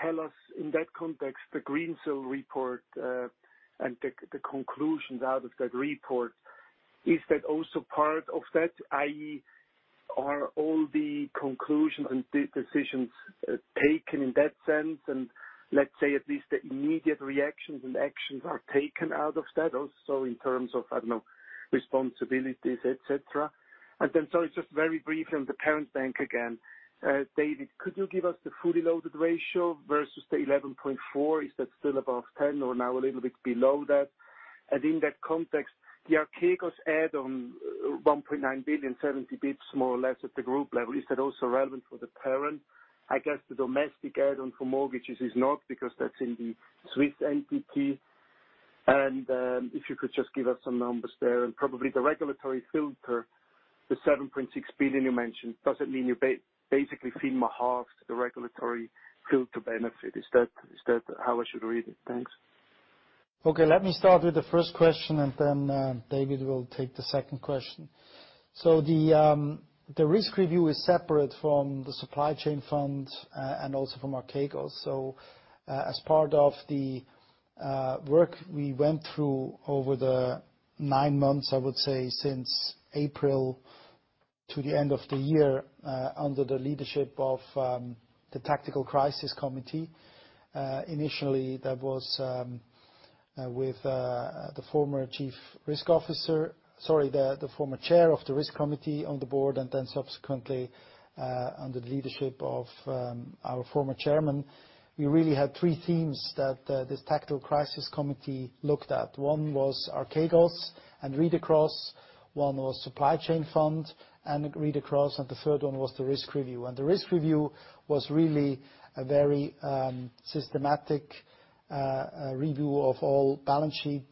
tell us in that context the Greensill report, and the conclusions out of that report, is that also part of that? I.e., are all the conclusions and decisions taken in that sense, and let's say at least the immediate reactions and actions are taken out of that also in terms of, I don't know, responsibilities, et cetera? Then, sorry, just very briefly on the parent bank again. David, could you give us the fully loaded ratio versus the 11.4? Is that still above 10 or now a little bit below that? And in that context, the Archegos add on $1.9 billion, 70 basis points, more or less at the group level, is that also relevant for the parent? I guess the domestic add on for mortgages is not because that's in the Swiss entity. If you could just give us some numbers there, and probably the regulatory filter, the 7.6 billion you mentioned, does it mean you basically FINMA halves the regulatory filter benefit? Is that, is that how I should read it? Thanks. Okay, let me start with the first question, and then David will take the second question. The risk review is separate from the supply chain fund, and also from Archegos. As part of the work we went through over the nine months, I would say, since April to the end of the year, under the leadership of the Tactical Crisis Committee. Initially, that was with the former chair of the risk committee on the board, and then subsequently, under the leadership of our former chairman. We really had three themes that this Tactical Crisis Committee looked at. One was Archegos and read-across. One was supply chain fund and read-across. And the third one was the risk review. The risk review was really a very systematic review of all balance sheet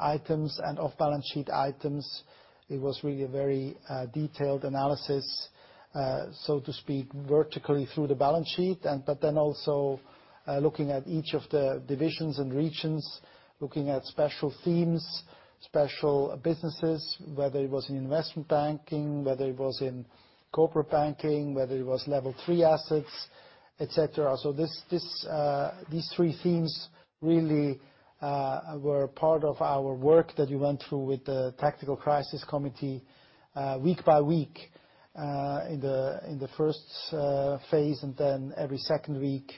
items and off-balance-sheet items. It was really a very detailed analysis, so to speak, vertically through the balance sheet. Looking at each of the divisions and regions, looking at special themes, special businesses, whether it was in investment banking, whether it was in corporate banking, whether it was Level 3 assets, etc. This these three themes really were part of our work that we went through with the Tactical Crisis Committee, week by week, in the first phase, and then every second week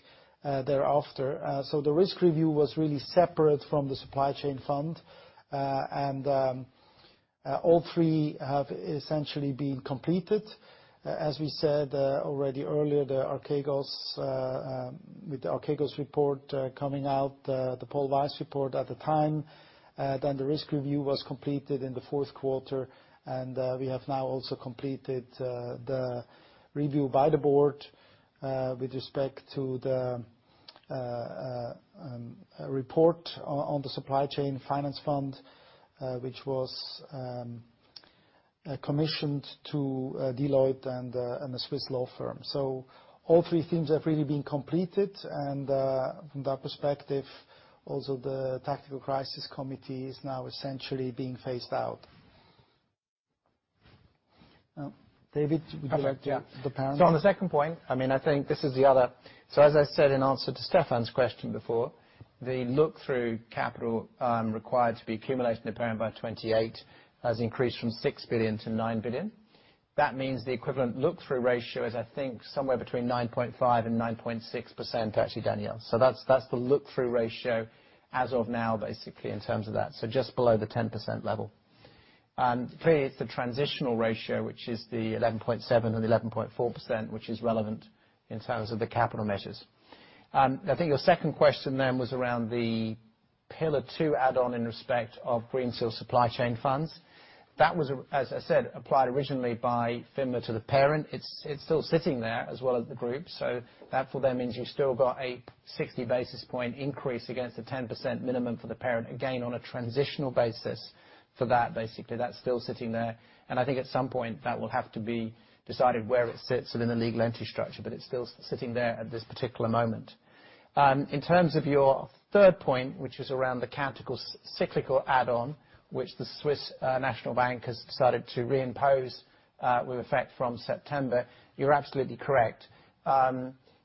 thereafter. The risk review was really separate from the supply chain fund. All three have essentially been completed. As we said already earlier, the Archegos with the Archegos report coming out, the Paul, Weiss report at the time, then the risk review was completed in the fourth quarter. We have now also completed the review by the board with respect to the report on the supply chain finance fund, which was commissioned to Deloitte and the Swiss law firm. All three things have really been completed. From that perspective, also the Tactical Crisis Committee is now essentially being phased out. David, would you like to Perfect. Yeah. The parent. On the second point, I mean, I think this is the other. As I said in answer to Stefan's question before, the look-through capital required to be accumulated in the parent by 2028 has increased from 6 billion to 9 billion. That means the equivalent look-through ratio is, I think, somewhere between 9.5% and 9.6%, actually, Daniele. That's the look-through ratio as of now, basically in terms of that, just below the 10% level. Clearly it's the transitional ratio, which is the 11.7% and 11.4%, which is relevant in terms of the capital measures. I think your second question then was around the Pillar 2 add-on in respect of Greensill supply chain funds. That was, as I said, applied originally by FINMA to the parent. It's still sitting there as well as the group. That for them means you still got a 60 basis point increase against the 10% minimum for the parent, again, on a transitional basis for that. Basically, that's still sitting there. I think at some point that will have to be decided where it sits within the legal entity structure, but it's still sitting there at this particular moment. In terms of your third point, which is around the countercyclical add on, which the Swiss National Bank has decided to reimpose, with effect from September, you're absolutely correct.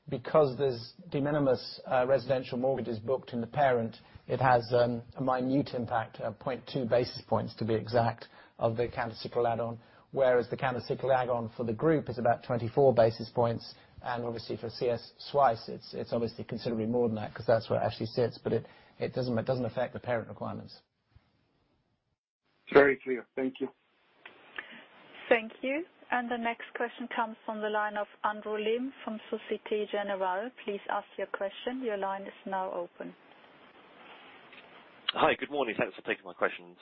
Because there's de minimis residential mortgages booked in the parent, it has a minute impact of 0.2 basis points, to be exact, of the countercyclical add on, whereas the countercyclical add on for the group is about 24 basis points. Obviously for CS Schweiz, it's obviously considerably more than that 'cause that's where it actually sits. It doesn't affect the parent requirements. Very clear. Thank you. Thank you. The next question comes from the line of Andrew Lim from Société Générale. Please ask your question. Your line is now open. Hi. Good morning. Thanks for taking my questions.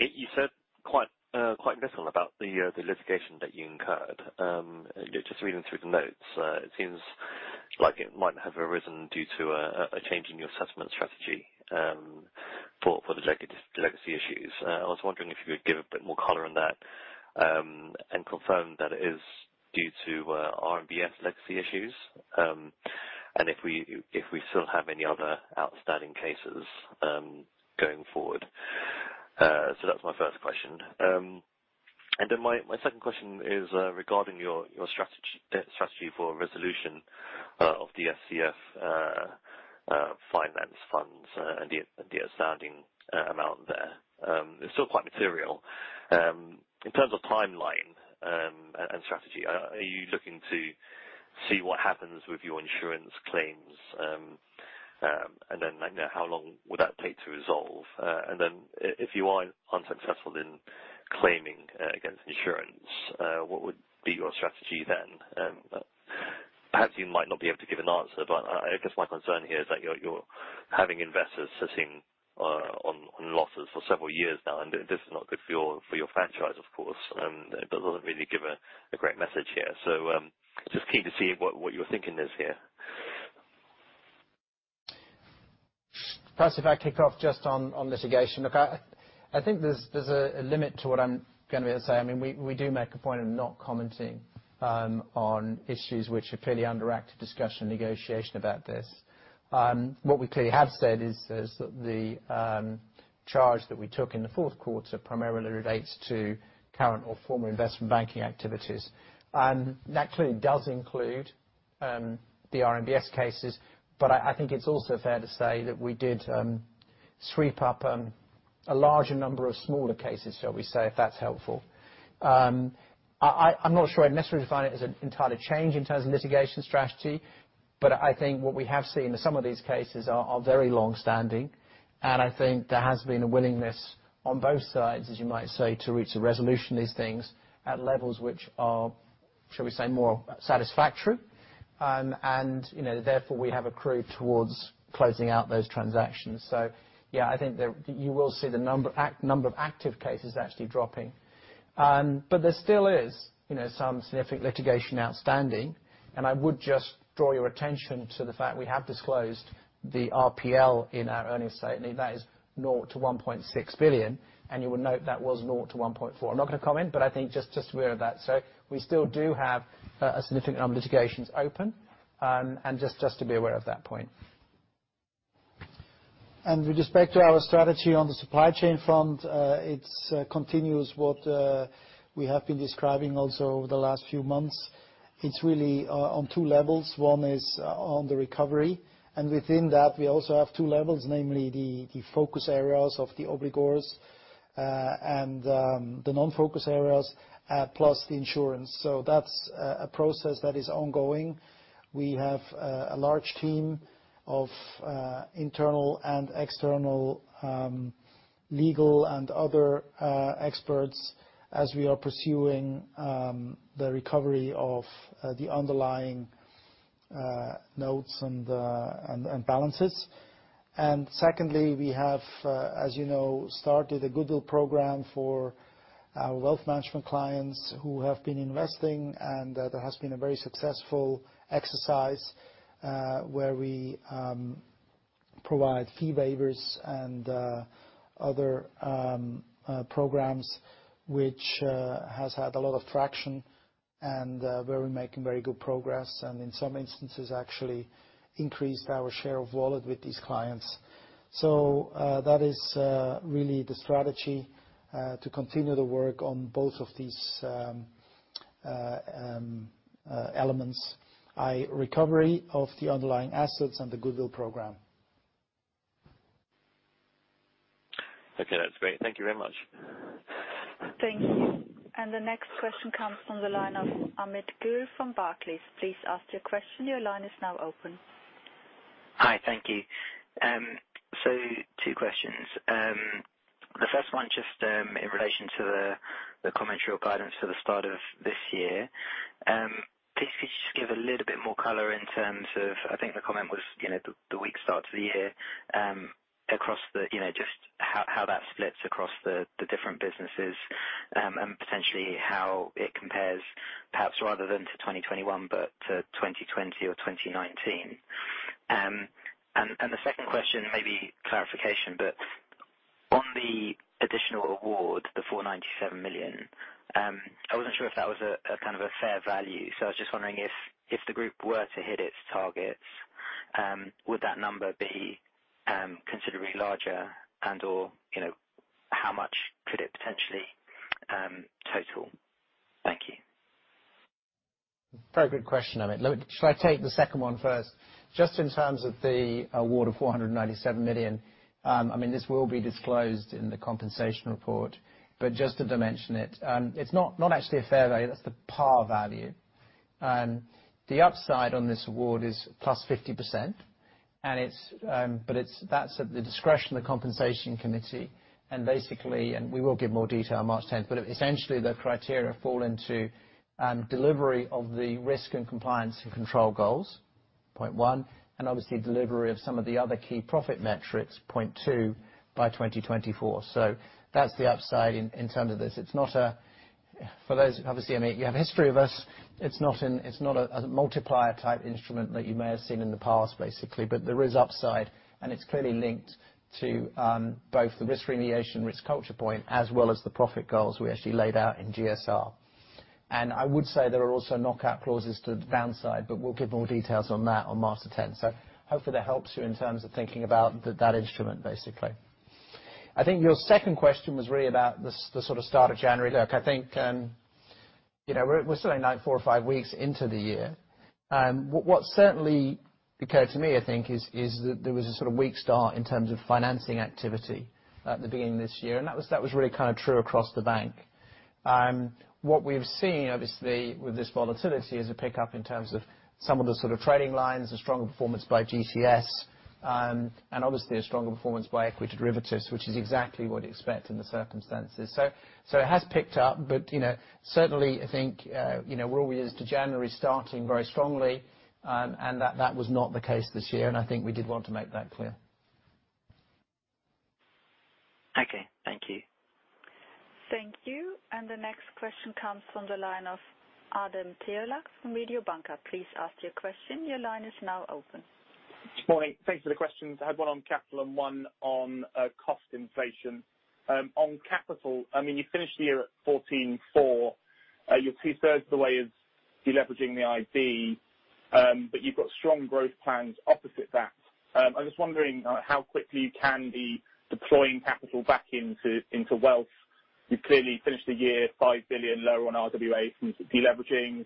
You said quite little about the litigation that you incurred. Just reading through the notes, it seems like it might have arisen due to a change in your assessment strategy for the legacy issues. I was wondering if you could give a bit more color on that, and confirm that it is due to RMBS legacy issues, and if we still have any other outstanding cases going forward. That's my first question. My second question is regarding your strategy for resolution of the SCF finance funds, and the outstanding amount there. It's still quite material. In terms of timeline, and strategy, are you looking to see what happens with your insurance claims? And then, I know how long would that take to resolve? And then if you are unsuccessful in claiming against insurance, what would be your strategy then? Perhaps you might not be able to give an answer, but I guess my concern here is that you're having investors sitting and losses for several years now, and this is not good for your franchise, of course, but doesn't really give a great message here. Just keen to see what you're thinking is here. Plus, if I kick off just on litigation. Look, I think there's a limit to what I'm gonna be able to say. I mean, we do make a point of not commenting on issues which are clearly under active discussion, negotiation about this. What we clearly have said is that the charge that we took in the fourth quarter primarily relates to current or former investment banking activities. That clearly does include the RMBS cases. I think it's also fair to say that we did sweep up a larger number of smaller cases, shall we say, if that's helpful. I'm not sure I'd necessarily define it as an entire change in terms of litigation strategy, but I think what we have seen is some of these cases are very long-standing. I think there has been a willingness on both sides, as you might say, to reach a resolution to these things at levels which are, shall we say, more satisfactory. You know, therefore, we have accrued towards closing out those transactions. Yeah, I think you will see the number of active cases actually dropping. There still is, you know, some significant litigation outstanding. I would just draw your attention to the fact we have disclosed the RPL in our earnings statement, that is $0-$1.6 billion. You will note that was $0-$1.4 billion. I'm not gonna comment, but I think just aware of that. We still do have a significant number of litigations open, and just to be aware of that point. With respect to our strategy on the supply chain front, it continues what we have been describing also over the last few months. It's really on two levels. One is on the recovery. Within that, we also have two levels, namely the focus areas of the obligors and the non-focus areas plus the insurance. That's a process that is ongoing. We have a large team of internal and external legal and other experts as we are pursuing the recovery of the underlying notes and balances. Secondly, we have, as you know, started a goodwill program for our wealth management clients who have been investing. There has been a very successful exercise where we provide fee waivers and other programs which has had a lot of traction and where we're making very good progress. In some instances, we actually increased our share of wallet with these clients. That is really the strategy to continue the work on both of these elements, recovery of the underlying assets and the goodwill program. Okay, that's great. Thank you very much. Thank you. The next question comes from the line of Amit Goel from Barclays. Please ask your question. Your line is now open. Hi, thank you. So two questions. The first one just in relation to the commentary or guidance for the start of this year. Please could you just give a little bit more color in terms of. I think the comment was, you know, the weak start to the year across the, you know, just how that splits across the different businesses, and potentially how it compares, perhaps rather than to 2021, but to 2020 or 2019. And the second question may be clarification, but on the additional award, the 497 million, I wasn't sure if that was a kind of a fair value. I was just wondering if the group were to hit its targets, would that number be considerably larger and/or, you know, how much could it potentially total? Thank you. Very good question, Amit. Shall I take the second one first? Just in terms of the award of 497 million, I mean, this will be disclosed in the compensation report, but just to dimension it's not actually a fair value. That's the par value. The upside on this award is +50%, and it's but that's at the discretion of the compensation committee. Basically, we will give more detail on March 10, but essentially the criteria fall into delivery of the risk and compliance and control goals, point 1, and obviously delivery of some of the other key profit metrics, point 2, by 2024. That's the upside in terms of this. It's not a. For those, obviously, I mean, you have history with us. It's not a multiplier type instrument that you may have seen in the past, basically. But there is upside, and it's clearly linked to both the risk remediation, risk culture point, as well as the profit goals we actually laid out in GSR. I would say there are also knockout clauses to the downside, but we'll give more details on that on March the tenth. Hopefully that helps you in terms of thinking about that instrument, basically. I think your second question was really about the sort of start of January. Look, I think, you know, we're still only now four or five weeks into the year. What certainly occurred to me, I think, is that there was a sort of weak start in terms of financing activity at the beginning of this year. That was really kind of true across the bank. What we've seen, obviously, with this volatility is a pickup in terms of some of the sort of trading lines, a stronger performance by GCS, and obviously a stronger performance by equity derivatives, which is exactly what you'd expect in the circumstances. It has picked up, but you know, certainly I think you know, we're all used to January starting very strongly, and that was not the case this year, and I think we did want to make that clear. Thank you. The next question comes from the line of Adam Terelak from Mediobanca. Please ask your question. Your line is now open. Morning. Thanks for the questions. I have one on capital and one on cost inflation. On capital, I mean, you finished the year at 14.4. You're two-thirds of the way of deleveraging the IB, but you've got strong growth plans opposite that. I was wondering how quickly you can be deploying capital back into wealth. You've clearly finished the year 5 billion lower on RWAs from deleveraging.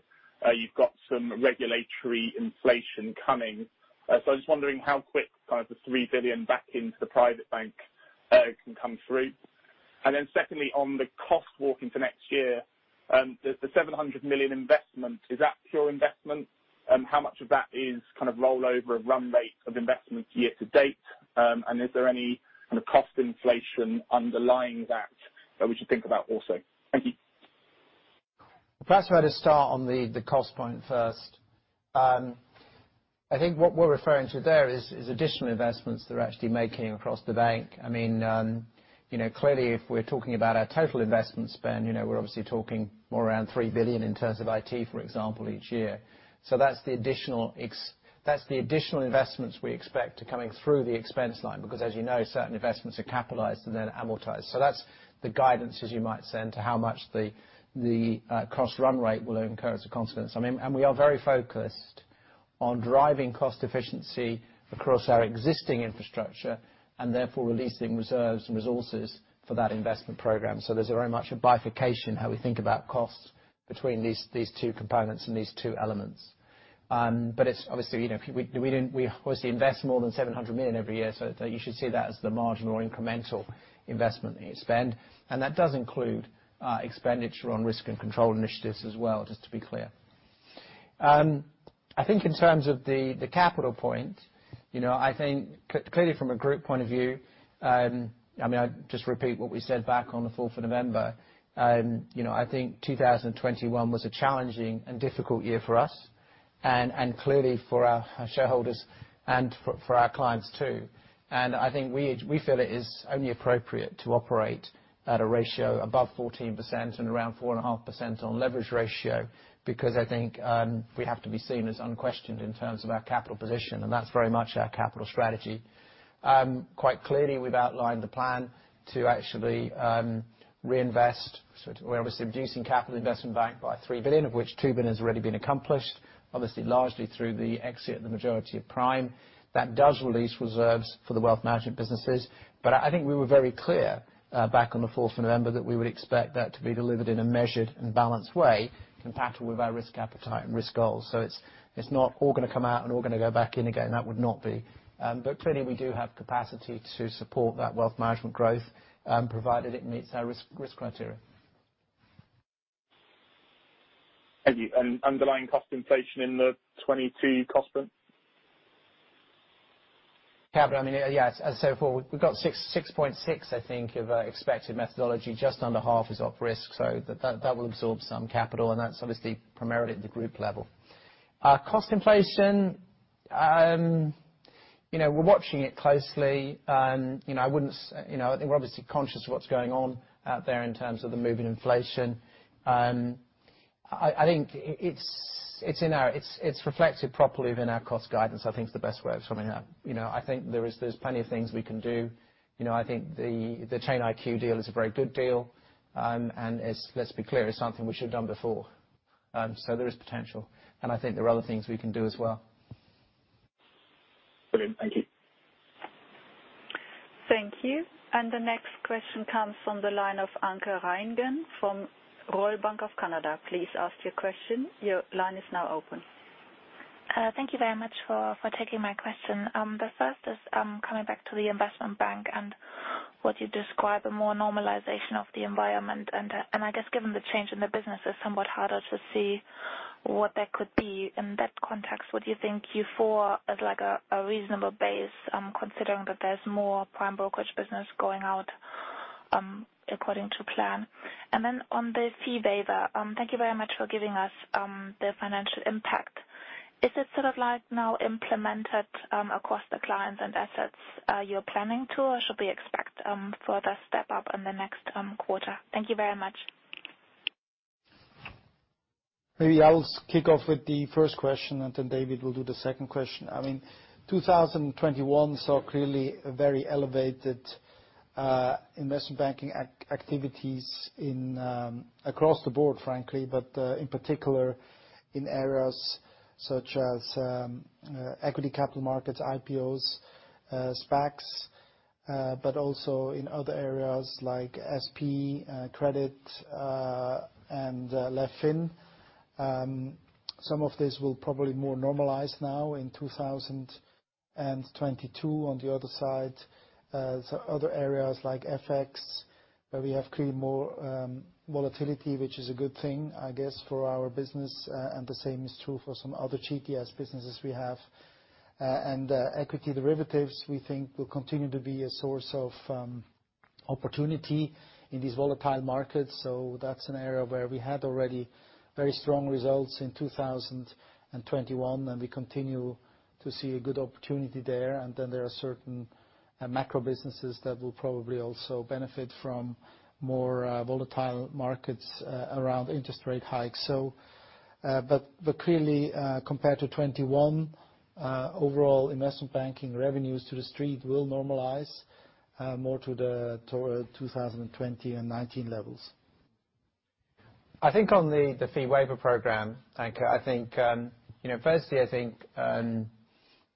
You've got some regulatory inflation coming. So I'm just wondering how quick kind of the 3 billion back into the private bank can come through. Then secondly, on the cost walk into next year, the seven hundred million investment, is that pure investment? How much of that is kind of rollover of run rate of investments year to date? Is there any kind of cost inflation underlying that we should think about also? Thank you. Perhaps if I just start on the cost point first. I think what we're referring to there is additional investments that we're actually making across the bank. I mean, you know, clearly if we're talking about our total investment spend, you know, we're obviously talking more around 3 billion in terms of IT, for example, each year. That's the additional investments we expect are coming through the expense line, because as you know, certain investments are capitalized and then amortized. That's the guidance, as you might extend to how much the cost run rate will incur as a consequence. I mean, we are very focused on driving cost efficiency across our existing infrastructure and therefore releasing reserves and resources for that investment program. There's very much a bifurcation how we think about costs between these two components and these two elements. But it's obviously, you know, we obviously invest more than 700 million every year, so you should see that as the marginal or incremental investment spend. And that does include expenditure on risk and control initiatives as well, just to be clear. I think in terms of the capital point, you know, I think clearly from a group point of view, I mean, I just repeat what we said back on the fourth of November. You know, I think 2021 was a challenging and difficult year for us and clearly for our shareholders and for our clients too. I think we feel it is only appropriate to operate at a ratio above 14% and around 4.5% on leverage ratio, because I think we have to be seen as unquestioned in terms of our capital position, and that's very much our capital strategy. Quite clearly, we've outlined the plan to actually reinvest. We're obviously reducing capital investment bank by 3 billion, of which 2 billion has already been accomplished, obviously largely through the exit of the majority of Prime. That does release reserves for the wealth management businesses. I think we were very clear back on the fourth of November that we would expect that to be delivered in a measured and balanced way compatible with our risk appetite and risk goals. It's not all gonna come out and all gonna go back in again. That would not be. Clearly we do have capacity to support that wealth management growth, provided it meets our risk criteria. Thank you. Underlying cost inflation in the 2022 cost then? Capital, I mean, yeah, as said before, we've got 6.6, I think, of expected methodology. Just under half is op risk. That will absorb some capital, and that's obviously primarily at the group level. Cost inflation, you know, we're watching it closely. You know, I wouldn't, you know, I think we're obviously conscious of what's going on out there in terms of the moving inflation. I think it's reflected properly within our cost guidance, I think is the best way of summing it up. You know, I think there's plenty of things we can do. You know, I think the Chain IQ deal is a very good deal. It's, let's be clear, it's something we should have done before. There is potential, and I think there are other things we can do as well. Brilliant. Thank you. Thank you. The next question comes from the line of Anke Reingen from Royal Bank of Canada. Please ask your question. Your line is now open. Thank you very much for taking my question. The first is coming back to the investment bank and what you describe a more normalization of the environment. I guess given the change in the business, it's somewhat harder to see what that could be. In that context, would you think Q4 is like a reasonable base, considering that there's more prime brokerage business going out according to plan? Then on the fee waiver, thank you very much for giving us the financial impact. Is it sort of like now implemented across the clients and assets you're planning to, or should we expect further step up in the next quarter? Thank you very much. Maybe I'll kick off with the first question, and then David will do the second question. I mean, 2021 saw clearly very elevated investment banking activities across the board, frankly, but in particular in areas such as equity capital markets, IPOs, SPACs, but also in other areas like S&P, credit, and leveraged finance. Some of this will probably more normalize now in 2022. On the other side, other areas like FX, where we have clearly more volatility, which is a good thing, I guess, for our business, and the same is true for some other GTS businesses we have. Equity derivatives we think will continue to be a source of Opportunity in these volatile markets. That's an area where we had already very strong results in 2021, and we continue to see a good opportunity there. There are certain macro businesses that will probably also benefit from more volatile markets around interest rate hikes. But clearly, compared to 2021, overall investment banking revenues to the street will normalize more toward 2020 and 2019 levels. I think on the fee waiver program, Anke, I think you know, firstly, I think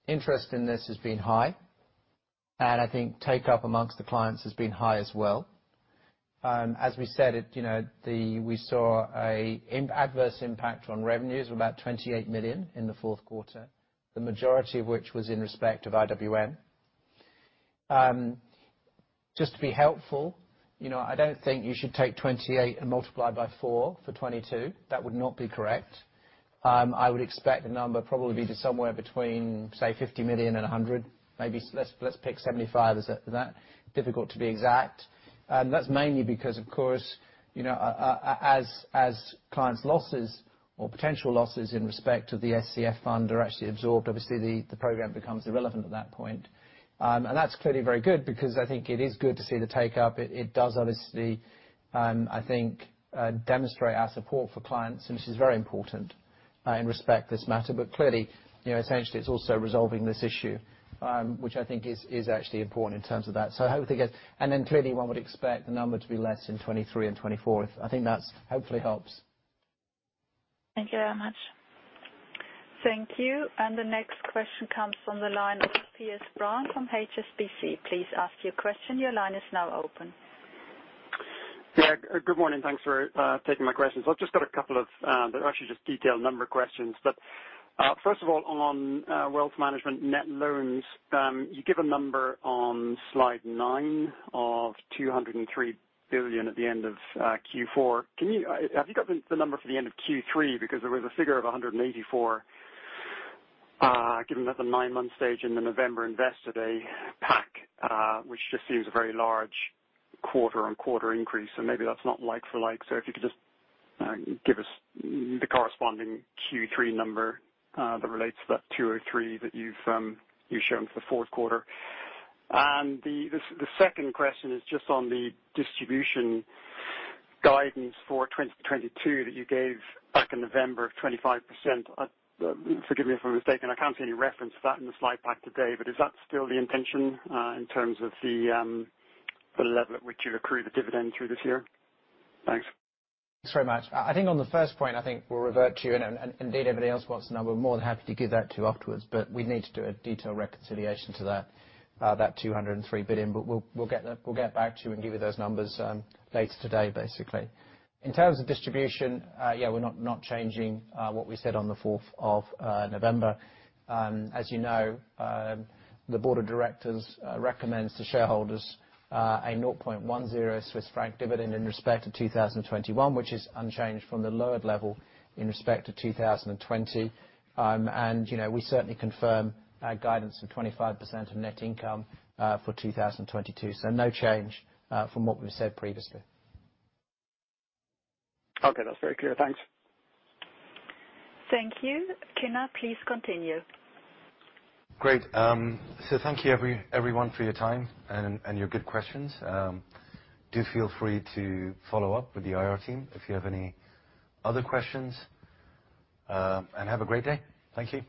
interest in this has been high, and I think take-up among the clients has been high as well. As we said, you know, we saw an adverse impact on revenues were about 28 million in the fourth quarter, the majority of which was in respect of IWM. Just to be helpful, you know, I don't think you should take 28 and multiply by four for 2022. That would not be correct. I would expect the number probably to be somewhere between, say, 50 million and 100 million, maybe let's pick 75 as a... That's difficult to be exact. That's mainly because, of course, you know, as clients' losses or potential losses in respect to the SCF fund are actually absorbed. Obviously, the program becomes irrelevant at that point. That's clearly very good because I think it is good to see the take-up. It does, obviously, I think, demonstrate our support for clients, and this is very important in respect to this matter. But clearly, you know, essentially it's also resolving this issue, which I think is actually important in terms of that. I hope it gets. Clearly one would expect the number to be less in 2023 and 2024. I think that's hopefully helps. Thank you very much. Thank you. The next question comes from the line of Piers Brown from HSBC. Please ask your question. Your line is now open. Yeah. Good morning. Thanks for taking my questions. I've just got a couple of. They're actually just detailed number questions. First of all, on wealth management net loans, you give a number on slide 9 of 203 billion at the end of Q4. Have you got the number for the end of Q3? Because there was a figure of 184 billion given at the 9-month stage in the November Investor Day pack, which just seems a very large quarter-on-quarter increase. Maybe that's not like for like. If you could just give us the corresponding Q3 number that relates to that 203 that you've shown for the fourth quarter. The second question is just on the distribution guidance for 2022 that you gave back in November of 25%. Forgive me if I'm mistaken, I can't see any reference to that in the slide pack today. Is that still the intention, in terms of the level at which you accrue the dividend through this year? Thanks. Thanks very much. I think on the first point, we'll revert to you and indeed anybody else wants to know. We're more than happy to give that to you afterwards. We need to do a detailed reconciliation to that 203 billion. We'll get back to you and give you those numbers later today. In terms of distribution, we're not changing what we said on the fourth of November. As you know, the Board of Directors recommends to shareholders a 0.10 Swiss franc dividend in respect to 2021, which is unchanged from the lowered level in respect to 2020. You know, we certainly confirm our guidance of 25% of net income for 2022. No change from what we've said previously. Okay. That's very clear. Thanks. Thank you. Kinner Lakhani, please continue. Great. Thank you everyone for your time and your good questions. Do feel free to follow up with the IR team if you have any other questions. Have a great day. Thank you.